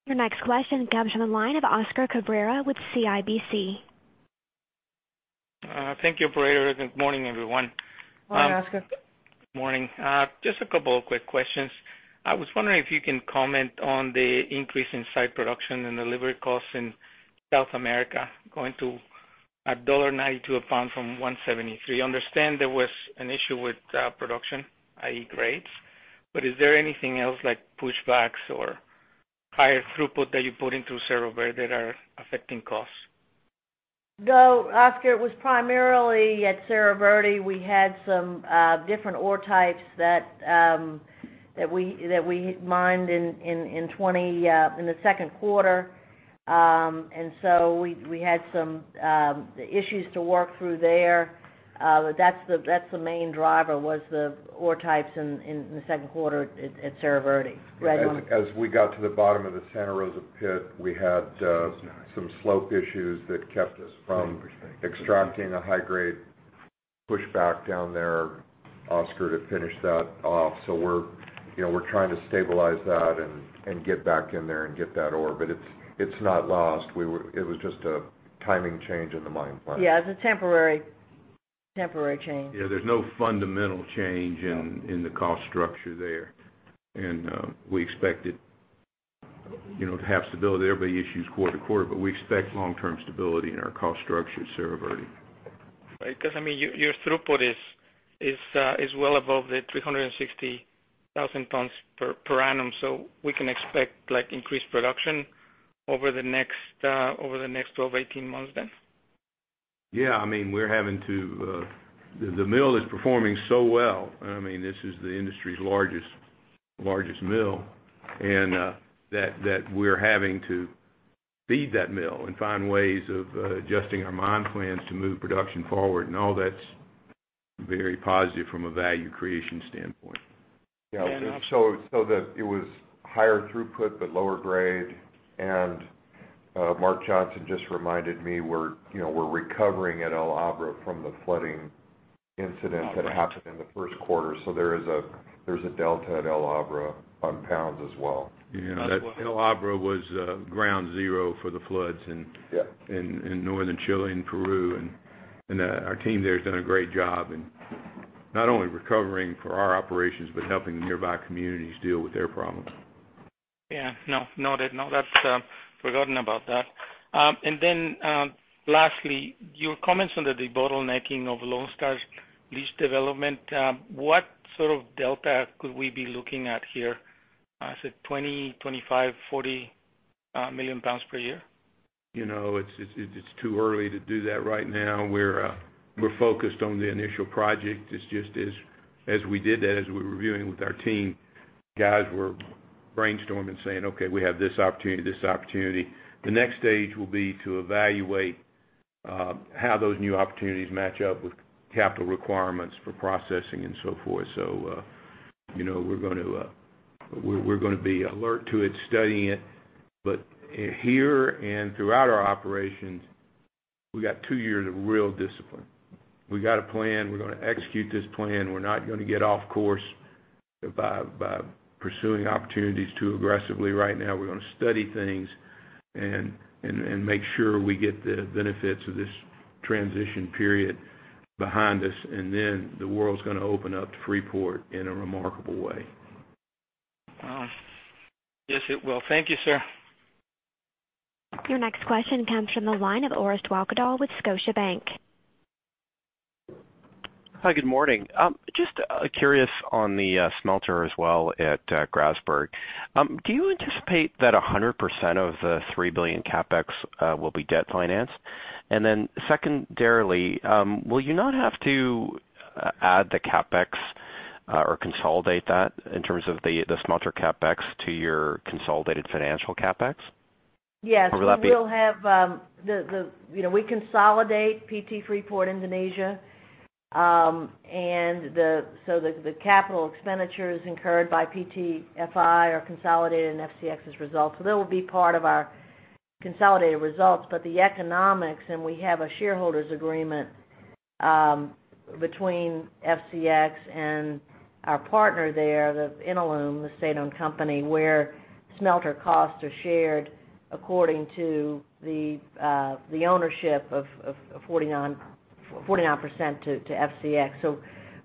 Your next question comes from the line of Oscar Cabrera with CIBC. Thank you, operator, and good morning, everyone. Morning, Oscar. Morning. Just a couple of quick questions. I was wondering if you can comment on the increase in site production and delivery costs in South America, going to $1.92 a pound from $1.73. Understand there was an issue with production, i.e. grades. Is there anything else like pushbacks or higher throughput that you put into Cerro Verde that are affecting costs? No, Oscar, it was primarily at Cerro Verde. We had some different ore types that we mined in the second quarter. We had some issues to work through there. That's the main driver was the ore types in the second quarter at Cerro Verde. Red? As we got to the bottom of the Santa Rosa pit, we had some slope issues that kept us from extracting a high grade pushback down there, Oscar, to finish that off. We're trying to stabilize that and get back in there and get that ore, but it's not lost. It was just a timing change in the mine plan. Yeah, it's a temporary change. Yeah, there's no fundamental change in the cost structure there. We expect it to have stability. There'll be issues quarter to quarter. We expect long-term stability in our cost structure at Cerro Verde. Right. Your throughput is well above the 360,000 tons per annum. We can expect increased production over the next 12, 18 months then? Yeah, the mill is performing so well. This is the industry's largest mill. That we're having to feed that mill and find ways of adjusting our mine plans to move production forward and all that's very positive from a value creation standpoint. Yeah. That it was higher throughput, but lower grade. Mark Johnson just reminded me we're recovering at El Abra from the flooding incident that happened in the first quarter. There's a delta at El Abra on pounds as well. That El Abra was ground zero for the floods and in northern Chile and Peru. Our team there has done a great job in not only recovering for our operations, but helping the nearby communities deal with their problems. No, that's forgotten about that. Lastly, your comments on the de-bottlenecking of Lone Star's lease development, what sort of delta could we be looking at here? Is it 20, 25, 40 million pounds per year? It's too early to do that right now. We're focused on the initial project. It's just as we did that, as we were reviewing with our team, guys were brainstorming, saying, "Okay, we have this opportunity, this opportunity." The next stage will be to evaluate how those new opportunities match up with capital requirements for processing and so forth. We're going to be alert to it, studying it, but here and throughout our operations, we got two years of real discipline. We got a plan. We're going to execute this plan. We're not going to get off course by pursuing opportunities too aggressively right now. We're going to study things and make sure we get the benefits of this transition period behind us, the world's going to open up to Freeport in a remarkable way. Wow. Yes, it will. Thank you, sir. Your next question comes from the line of Orest Wowkodaw with Scotiabank. Hi, good morning. Just curious on the smelter as well at Grasberg. Do you anticipate that 100% of the $3 billion CapEx will be debt financed? Secondarily, will you not have to add the CapEx or consolidate that in terms of the smelter CapEx to your consolidated financial CapEx? Yes. Will that be- We consolidate PT Freeport Indonesia. The capital expenditures incurred by PTFI are consolidated in FCX's results. That will be part of our consolidated results. The economics, and we have a shareholders' agreement between FCX and our partner there, Inalum, the state-owned company, where smelter costs are shared according to the ownership of 49% to FCX.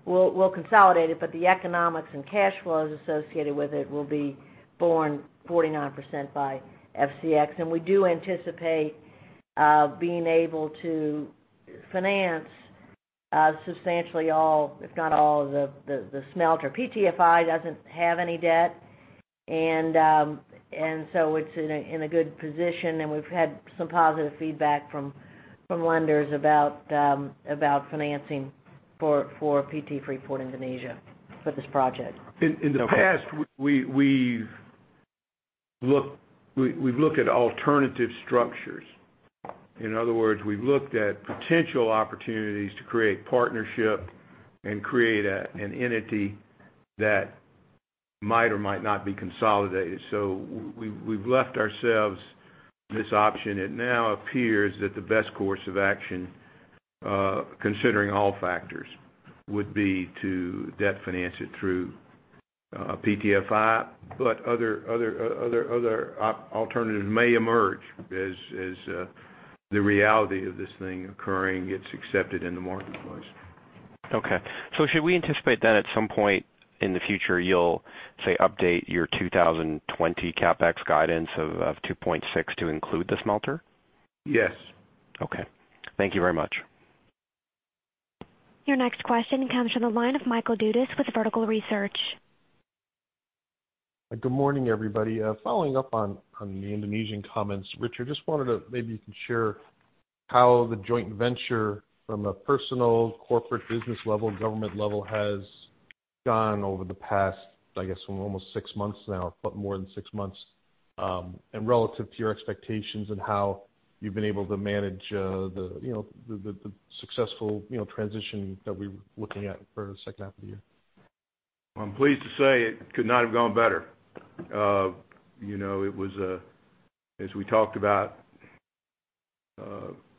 We'll consolidate it, but the economics and cash flows associated with it will be borne 49% by FCX. We do anticipate being able to finance substantially all, if not all of the smelter. PTFI doesn't have any debt, and so it's in a good position, and we've had some positive feedback from lenders about financing for PT Freeport Indonesia for this project. In the past, we've looked at alternative structures. In other words, we've looked at potential opportunities to create partnership and create an entity that might or might not be consolidated. We've left ourselves this option. It now appears that the best course of action, considering all factors, would be to debt finance it through PTFI. Other alternatives may emerge as the reality of this thing occurring gets accepted in the marketplace. Okay. Should we anticipate then at some point in the future, you'll, say, update your 2020 CapEx guidance of $2.6 to include the smelter? Yes. Okay. Thank you very much. Your next question comes from the line of Michael Dudas with Vertical Research. Good morning, everybody. Following up on the Indonesian comments, Richard, just wanted to maybe you can share how the joint venture from a personal, corporate, business level, government level has gone over the past, I guess we're almost six months now, but more than six months, and relative to your expectations and how you've been able to manage the successful transition that we're looking at for the second half of the year. I'm pleased to say it could not have gone better. It was, as we talked about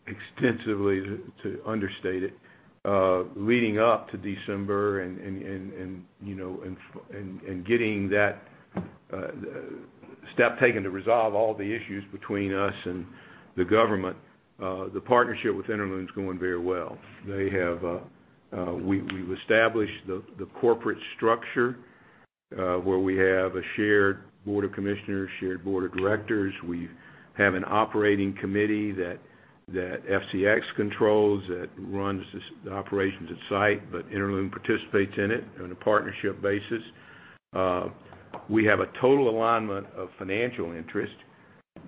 extensively, to understate it, leading up to December and getting that step taken to resolve all the issues between us and the government. The partnership with Inalum is going very well. We've established the corporate structure, where we have a shared board of commissioners, shared board of directors. We have an operating committee that FCX controls, that runs the operations at site, but Inalum participates in it on a partnership basis. We have a total alignment of financial interest.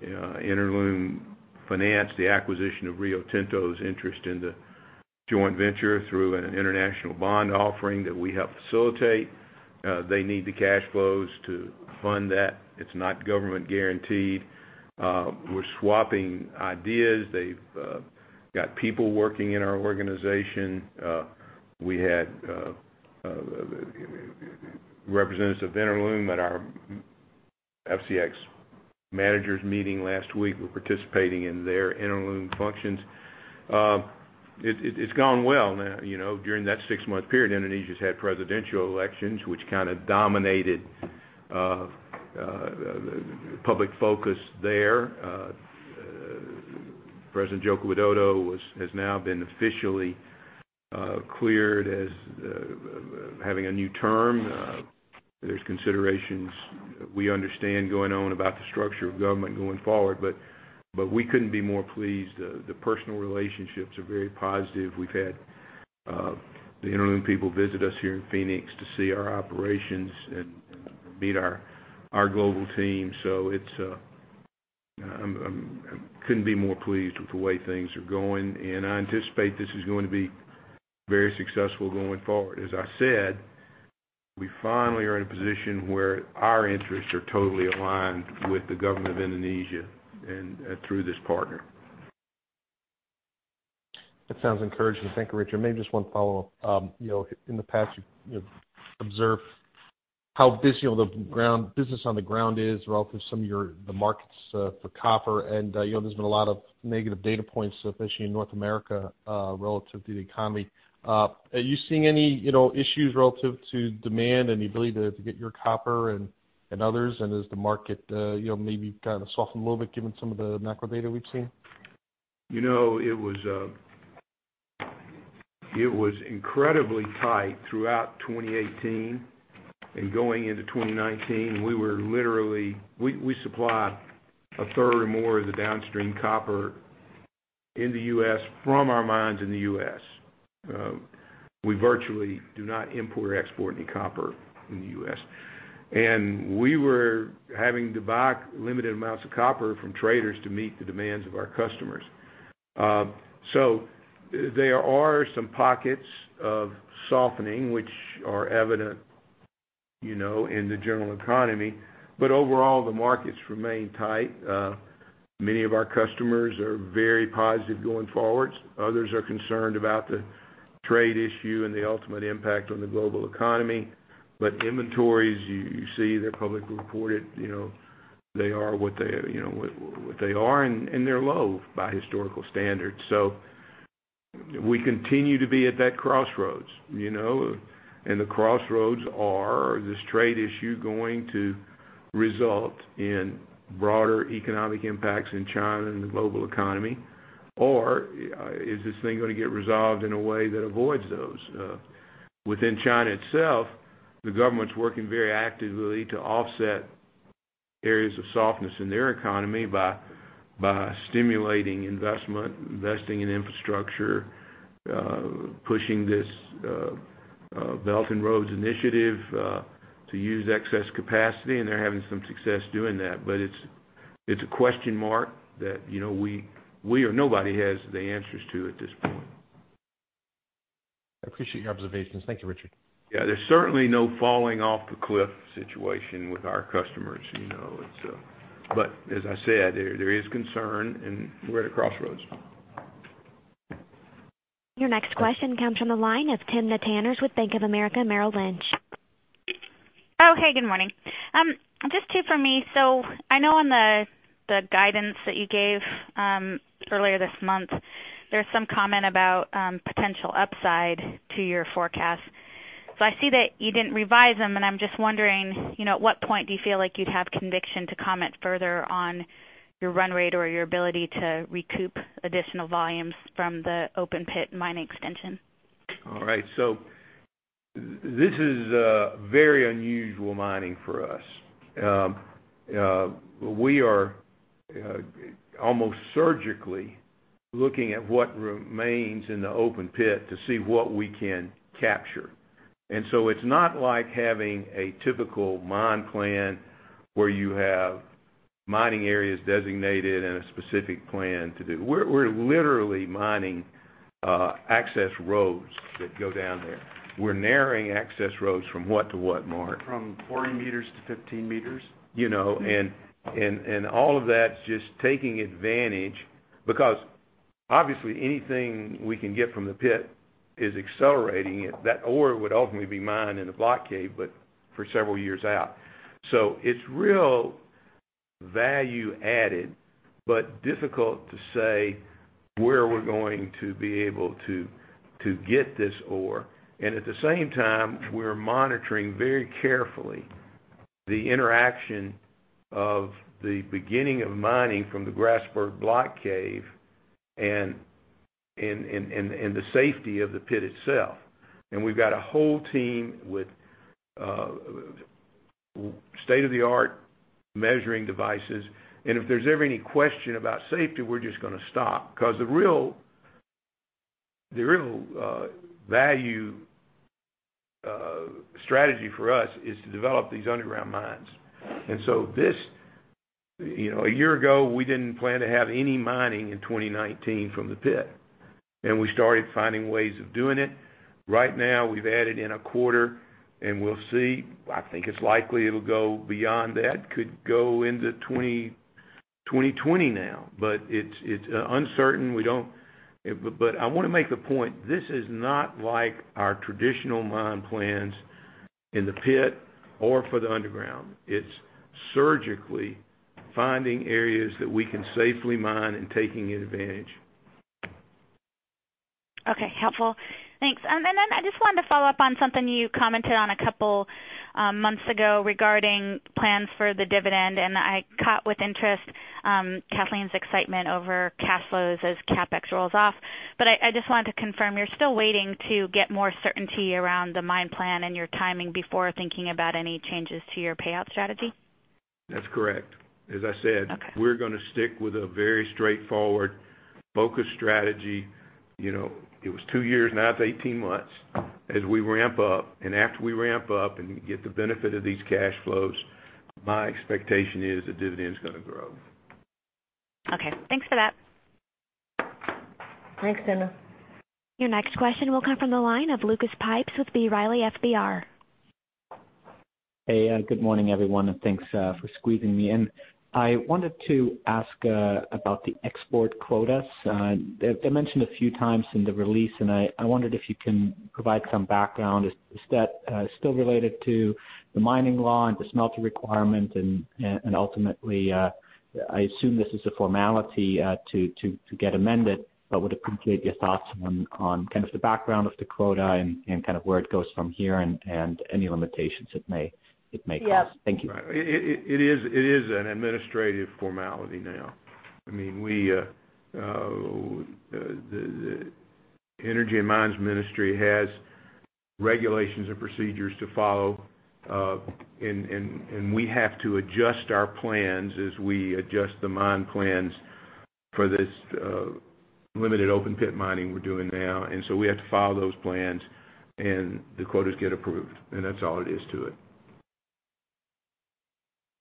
Inalum financed the acquisition of Rio Tinto's interest in the joint venture through an international bond offering that we helped facilitate. They need the cash flows to fund that. It's not government guaranteed. We're swapping ideas. They've got people working in our organization. We had representatives of Inalum at our FCX managers meeting last week were participating in their Inalum functions. It's gone well. During that six-month period, Indonesia's had presidential elections, which kind of dominated public focus there. President Joko Widodo has now been officially cleared as having a new term. There's considerations we understand going on about the structure of government going forward, but we couldn't be more pleased. The personal relationships are very positive. We've had the Inalum people visit us here in Phoenix to see our operations and meet our global team. I couldn't be more pleased with the way things are going, and I anticipate this is going to be very successful going forward. As I said, we finally are in a position where our interests are totally aligned with the government of Indonesia and through this partner. That sounds encouraging. Thank you, Richard. Maybe just one follow-up. In the past, you've observed how busy all the business on the ground is relative to some of the markets for copper. There's been a lot of negative data points, especially in North America, relative to the economy. Are you seeing any issues relative to demand and the ability to get your copper and others? Has the market maybe kind of softened a little bit given some of the macro data we've seen? It was incredibly tight throughout 2018 and going into 2019. We supply a third or more of the downstream copper in the U.S. from our mines in the U.S. We virtually do not import or export any copper in the U.S. We were having to buy limited amounts of copper from traders to meet the demands of our customers. There are some pockets of softening, which are evident in the general economy. Overall, the markets remain tight. Many of our customers are very positive going forward. Others are concerned about the trade issue and the ultimate impact on the global economy. Inventories, you see they're publicly reported, they are what they are, and they're low by historical standards. We continue to be at that crossroads. The crossroads are, is this trade issue going to result in broader economic impacts in China and the global economy, or is this thing going to get resolved in a way that avoids those? Within China itself, the government's working very actively to offset areas of softness in their economy by stimulating investment, investing in infrastructure, pushing this Belt and Road initiative to use excess capacity, and they're having some success doing that. It's a question mark that we or nobody has the answers to at this point. I appreciate your observations. Thank you, Richard. Yeah, there's certainly no falling off the cliff situation with our customers. As I said, there is concern, and we're at a crossroads. Your next question comes from the line of Timna Tanners with Bank of America Merrill Lynch. Oh, hey, good morning. Just two from me. I know on the guidance that you gave earlier this month, there's some comment about potential upside to your forecast. I see that you didn't revise them, and I'm just wondering, at what point do you feel like you'd have conviction to comment further on your run rate or your ability to recoup additional volumes from the open pit mining extension? All right. This is very unusual mining for us. We are almost surgically looking at what remains in the open pit to see what we can capture. It's not like having a typical mine plan where you have mining areas designated and a specific plan to do. We're literally mining access roads that go down there. We're narrowing access roads from what to what, Mark? From 40 m to 50 m. All of that's just taking advantage, because obviously anything we can get from the pit is accelerating it. That ore would ultimately be mined in a block cave, but for several years out. It's real value added, but difficult to say where we're going to be able to get this ore. At the same time, we're monitoring very carefully the interaction of the beginning of mining from the Grasberg Block Cave and the safety of the pit itself. We've got a whole team with state-of-the-art measuring devices. If there's ever any question about safety, we're just going to stop. Because the real value strategy for us is to develop these underground mines. A year ago, we didn't plan to have any mining in 2019 from the pit. We started finding ways of doing it. Right now we've added in a quarter, and we'll see. I think it's likely it'll go beyond that. Could go into 2020 now, but it's uncertain. I want to make the point, this is not like our traditional mine plans in the pit or for the underground. It's surgically finding areas that we can safely mine and taking advantage. Okay, helpful. Thanks. I just wanted to follow up on something you commented on a couple months ago regarding plans for the dividend, and I caught with interest Kathleen's excitement over cash flows as CapEx rolls off. I just wanted to confirm, you're still waiting to get more certainty around the mine plan and your timing before thinking about any changes to your payout strategy? That's correct. Okay. We're going to stick with a very straightforward, focused strategy. It was two years, now it's 18 months as we ramp up. After we ramp up and get the benefit of these cash flows, my expectation is the dividend's going to grow. Okay. Thanks for that. Thanks, Timna. Your next question will come from the line of Lucas Pipes with B. Riley FBR. Hey, good morning, everyone, and thanks for squeezing me in. I wanted to ask about the export quotas. They're mentioned a few times in the release, and I wondered if you can provide some background. Is that still related to the mining law and the smelting requirement, and ultimately, I assume this is a formality to get amended, but would appreciate your thoughts on kind of the background of the quota and kind of where it goes from here and any limitations it may cause. Yes. Thank you. It is an administrative formality now. The Energy and Mines Ministry has regulations and procedures to follow. We have to adjust our plans as we adjust the mine plans for this limited open pit mining we're doing now. We have to follow those plans, and the quotas get approved, and that's all it is to it.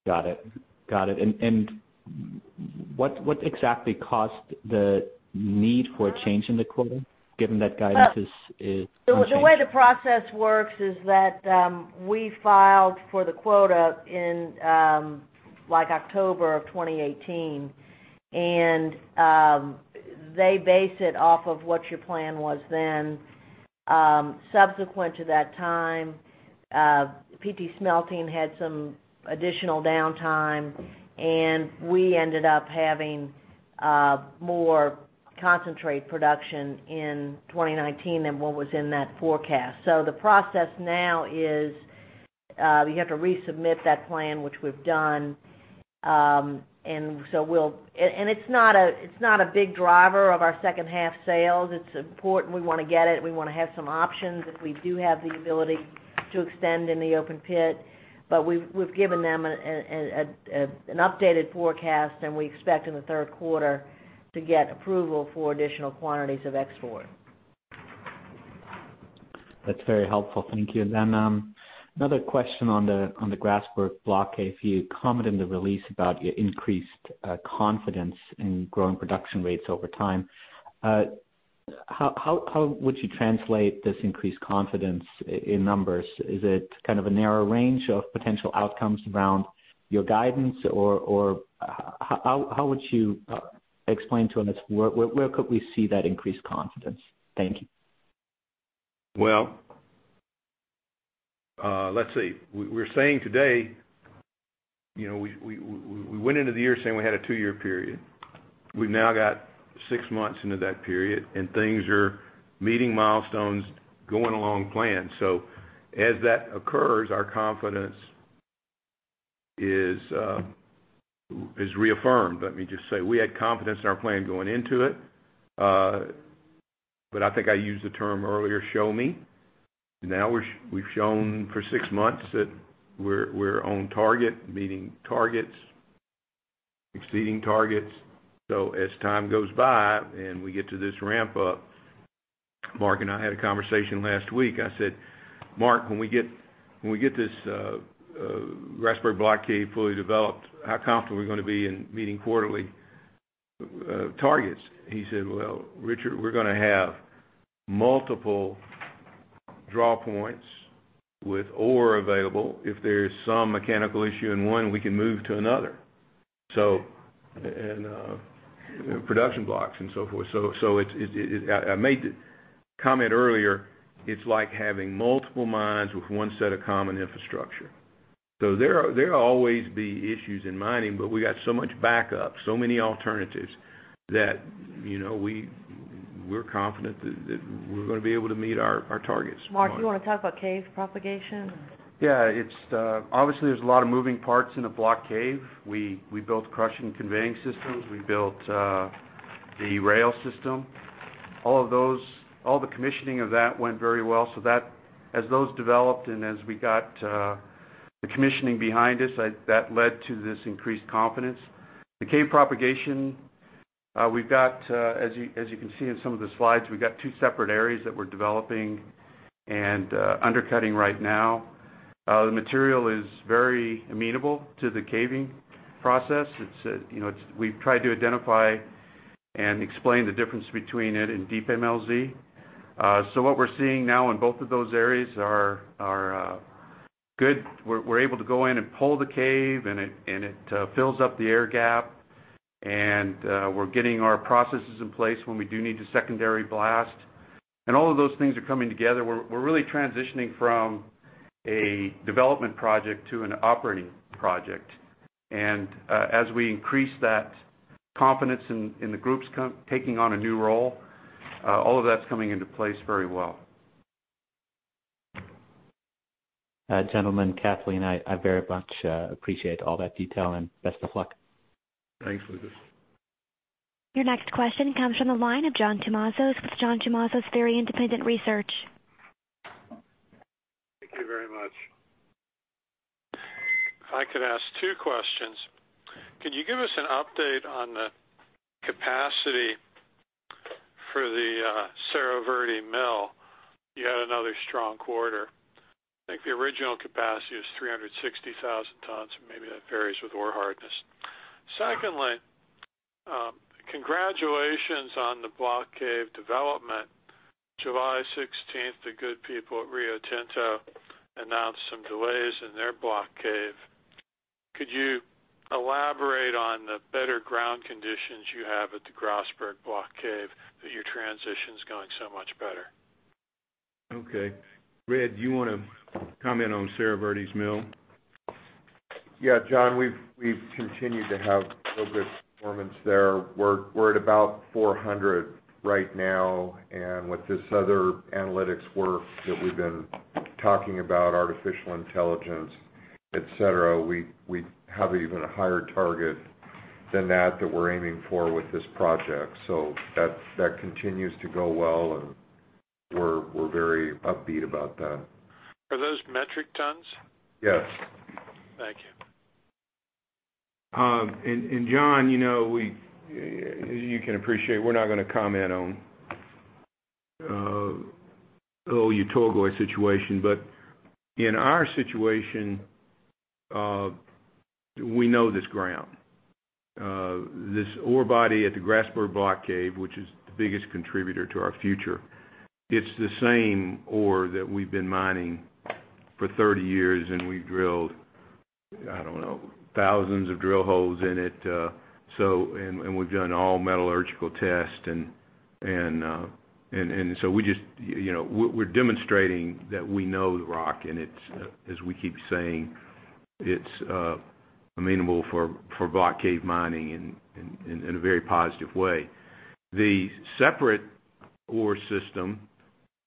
Got it. What exactly caused the need for a change in the quota, given that guidance is unchanging? The way the process works is that we filed for the quota in October of 2018, and they base it off of what your plan was then. Subsequent to that time, PT Smelting had some additional downtime, and we ended up having more concentrate production in 2019 than what was in that forecast. The process now is, we have to resubmit that plan, which we've done. It's not a big driver of our second half sales. It's important. We want to get it. We want to have some options if we do have the ability to extend in the open pit. We've given them an updated forecast, and we expect in the third quarter to get approval for additional quantities of export. That's very helpful. Thank you. Another question on the Grasberg block. If you comment in the release about your increased confidence in growing production rates over time, how would you translate this increased confidence in numbers? Is it kind of a narrow range of potential outcomes around your guidance, or how would you explain to us, where could we see that increased confidence? Thank you. Well, let's see. We're saying today, we went into the year saying we had a two-year period. We've now got six months into that period, things are meeting milestones, going along plan. As that occurs, our confidence is reaffirmed. Let me just say, we had confidence in our plan going into it. I think I used the term earlier, show me. Now we've shown for six months that we're on target, meeting targets, exceeding targets. As time goes by and we get to this ramp up, Mark and I had a conversation last week. I said, "Mark, when we get this Grasberg Block Cave fully developed, how confident are we going to be in meeting quarterly targets?" He said, "Well, Richard, we're going to have multiple drawpoints with ore available. If there's some mechanical issue in one, we can move to another. Production blocks and so forth. I made the comment earlier, it's like having multiple mines with one set of common infrastructure. There'll always be issues in mining, but we got so much backup, so many alternatives that we're confident that we're going to be able to meet our targets. Mark, do you want to talk about cave propagation? Yeah, obviously, there's a lot of moving parts in a block cave. We built crush and conveying systems. We built the rail system. All the commissioning of that went very well. As those developed and as we got the commissioning behind us, that led to this increased confidence. The cave propagation, as you can see in some of the slides, we've got two separate areas that we're developing and undercutting right now. The material is very amenable to the caving process. We've tried to identify and explain the difference between it and Deep MLZ. What we're seeing now in both of those areas are good. We're able to go in and pull the cave, and it fills up the air gap. We're getting our processes in place when we do need the secondary blast. All of those things are coming together. We're really transitioning from a development project to an operating project. As we increase that confidence in the groups taking on a new role, all of that's coming into place very well. Gentlemen, Kathleen, I very much appreciate all that detail and best of luck. Thanks, Lucas. Your next question comes from the line of John Tumazos with John Tumazos Very Independent Research. Thank you very much. If I could ask two questions. Could you give us an update on the capacity for the Cerro Verde mill? You had another strong quarter. I think the original capacity was 360,000 tons, maybe that varies with ore hardness. Secondly, congratulations on the block cave development. July 16th, the good people at Rio Tinto announced some delays in their block cave. Could you elaborate on the better ground conditions you have at the Grasberg Block Cave that your transition's going so much better? Okay. Red, do you want to comment on Cerro Verde's mill? Yeah, John, we've continued to have real good performance there. We're at about 400 right now, and with this other analytics work that we've been talking about, artificial intelligence, et cetera, we have an even higher target than that we're aiming for with this project. That continues to go well, and we're very upbeat about that. Are those metric tons? Yes. Thank you. John, you can appreciate we're not going to comment on the Oyu Tolgoi situation, but in our situation, we know this ground. This ore body at the Grasberg Block Cave, which is the biggest contributor to our future, it's the same ore that we've been mining for 30 years, and we've drilled, I don't know, thousands of drill holes in it. We've done all metallurgical tests. We're demonstrating that we know the rock, and as we keep saying, it's amenable for block cave mining in a very positive way. The separate ore system,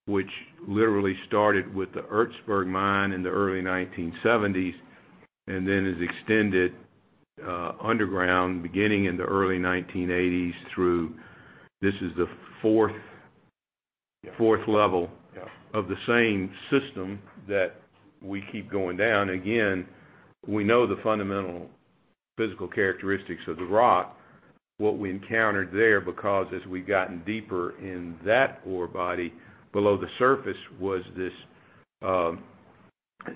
which literally started with the Ertsberg mine in the early 1970s, then is extended underground beginning in the early 1980s through this is the fourth level of the same system that we keep going down. Again, we know the fundamental physical characteristics of the rock. What we encountered there, because as we've gotten deeper in that ore body below the surface, was this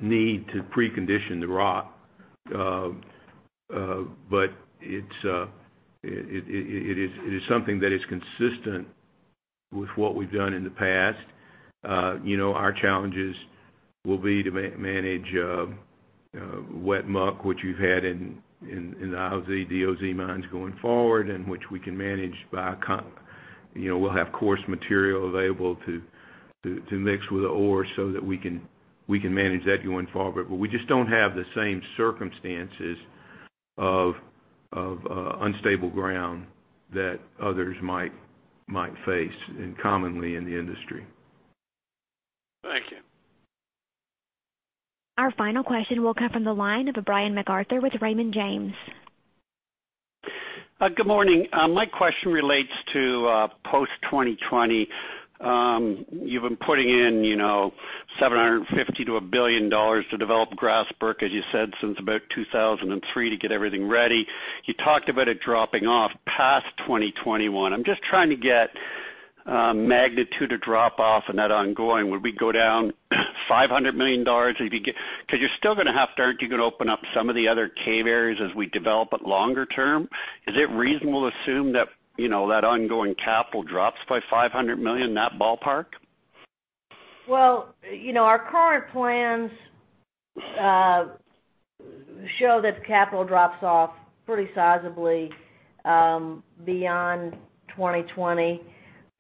need to pre-condition the rock. It is something that is consistent with what we've done in the past. Our challenges will be to manage wet muck, which you've had in the IOZ, DOZ mines going forward, and which we can manage. We'll have coarse material available to mix with the ore so that we can manage that going forward. We just don't have the same circumstances of unstable ground that others might face commonly in the industry. Thank you. Our final question will come from the line of Brian MacArthur with Raymond James. Good morning. My question relates to post-2020. You've been putting in $750 million-$1 billion to develop Grasberg, as you said, since about 2003 to get everything ready. You talked about it dropping off past 2021. I'm just trying to get magnitude of drop off in that ongoing. Would we go down $500 million? You're still going to have to, aren't you going to open up some of the other cave areas as we develop it longer term? Is it reasonable to assume that ongoing capital drops by $500 million, in that ballpark? Well, our current plans show that the capital drops off pretty sizably beyond 2020.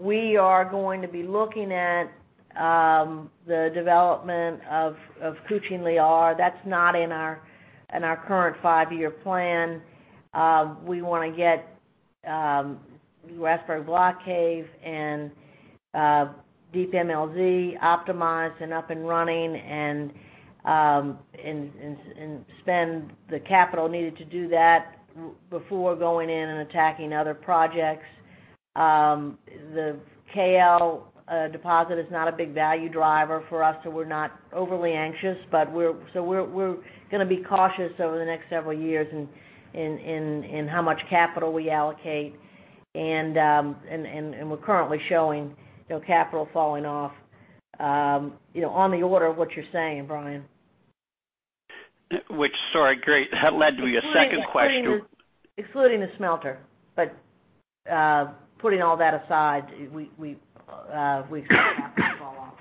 We are going to be looking at the development of Kucing Liar. That's not in our current five-year plan. We want to get Grasberg Block Cave and Deep MLZ optimized and up and running and spend the capital needed to do that before going in and attacking other projects. The KL deposit is not a big value driver for us, so we're not overly anxious. We're going to be cautious over the next several years in how much capital we allocate, and we're currently showing capital falling off on the order of what you're saying, Brian. Sorry, great. That led to a second question. Excluding the smelter. Putting all that aside, we've got capital off.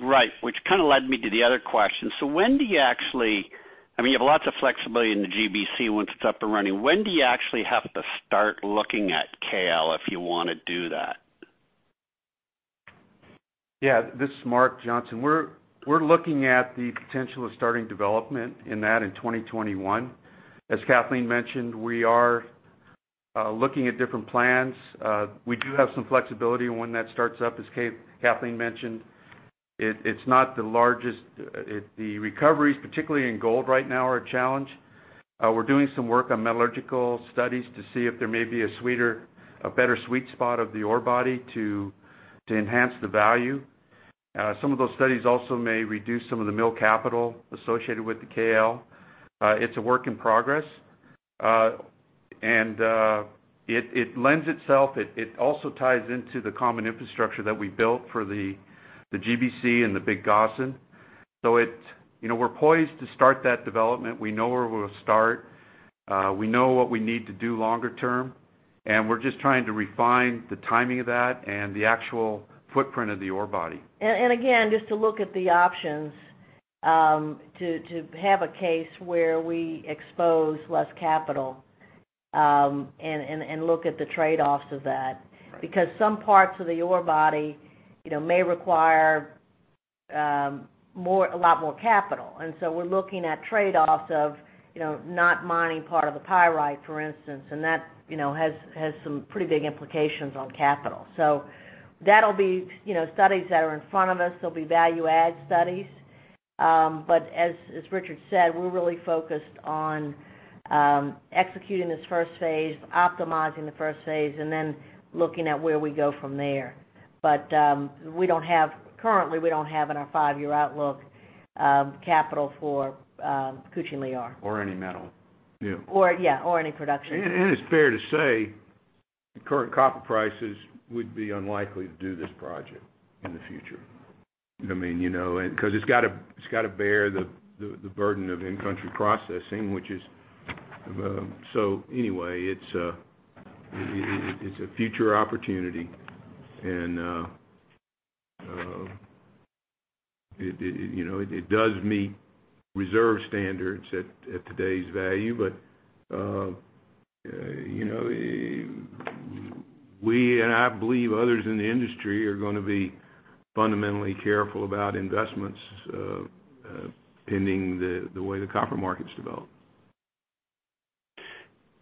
Right. Which kind of led me to the other question. When do you actually have lots of flexibility in the GBC once it's up and running. When do you actually have to start looking at KL if you want to do that? Yeah. This is Mark Johnson. We're looking at the potential of starting development in that in 2021. As Kathleen mentioned, we are looking at different plans. We do have some flexibility when that starts up, as Kathleen mentioned. It's not the largest. The recoveries, particularly in gold right now, are a challenge. We're doing some work on metallurgical studies to see if there may be a better sweet spot of the ore body to enhance the value. Some of those studies also may reduce some of the mill capital associated with the KL. It's a work in progress. It lends itself, it also ties into the common infrastructure that we built for the GBC and the Big Gossan. We're poised to start that development. We know where we'll start. We know what we need to do longer term, and we're just trying to refine the timing of that and the actual footprint of the ore body. Again, just to look at the options to have a case where we expose less capital and look at the trade-offs of that. Because some parts of the ore body may require a lot more capital. We're looking at trade-offs of not mining part of the pyrite, for instance, and that has some pretty big implications on capital. That'll be studies that are in front of us. There'll be value add studies. As Richard said, we're really focused on executing this first phase, optimizing the first phase, and then looking at where we go from there. Currently, we don't have in our five-year outlook capital for Kucing Liar. Any metal. Yeah. Any production. It's fair to say current copper prices would be unlikely to do this project in the future. It's got to bear the burden of in-country processing. Anyway, it's a future opportunity and it does meet reserve standards at today's value, but we, and I believe others in the industry, are going to be fundamentally careful about investments pending the way the copper markets develop.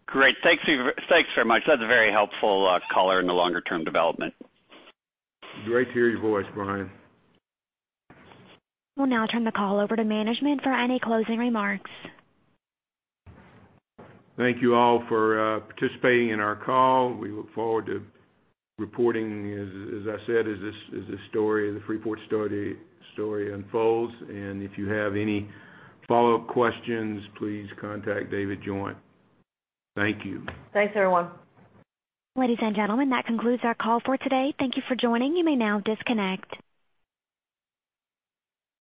Great. Thanks very much. That's a very helpful color in the longer term development. Great to hear your voice, Brian. We'll now turn the call over to management for any closing remarks. Thank you all for participating in our call. We look forward to reporting, as I said, as the Freeport story unfolds. If you have any follow-up questions, please contact David Joint. Thank you. Thanks, everyone. Ladies and gentlemen, that concludes our call for today. Thank you for joining. You may now disconnect.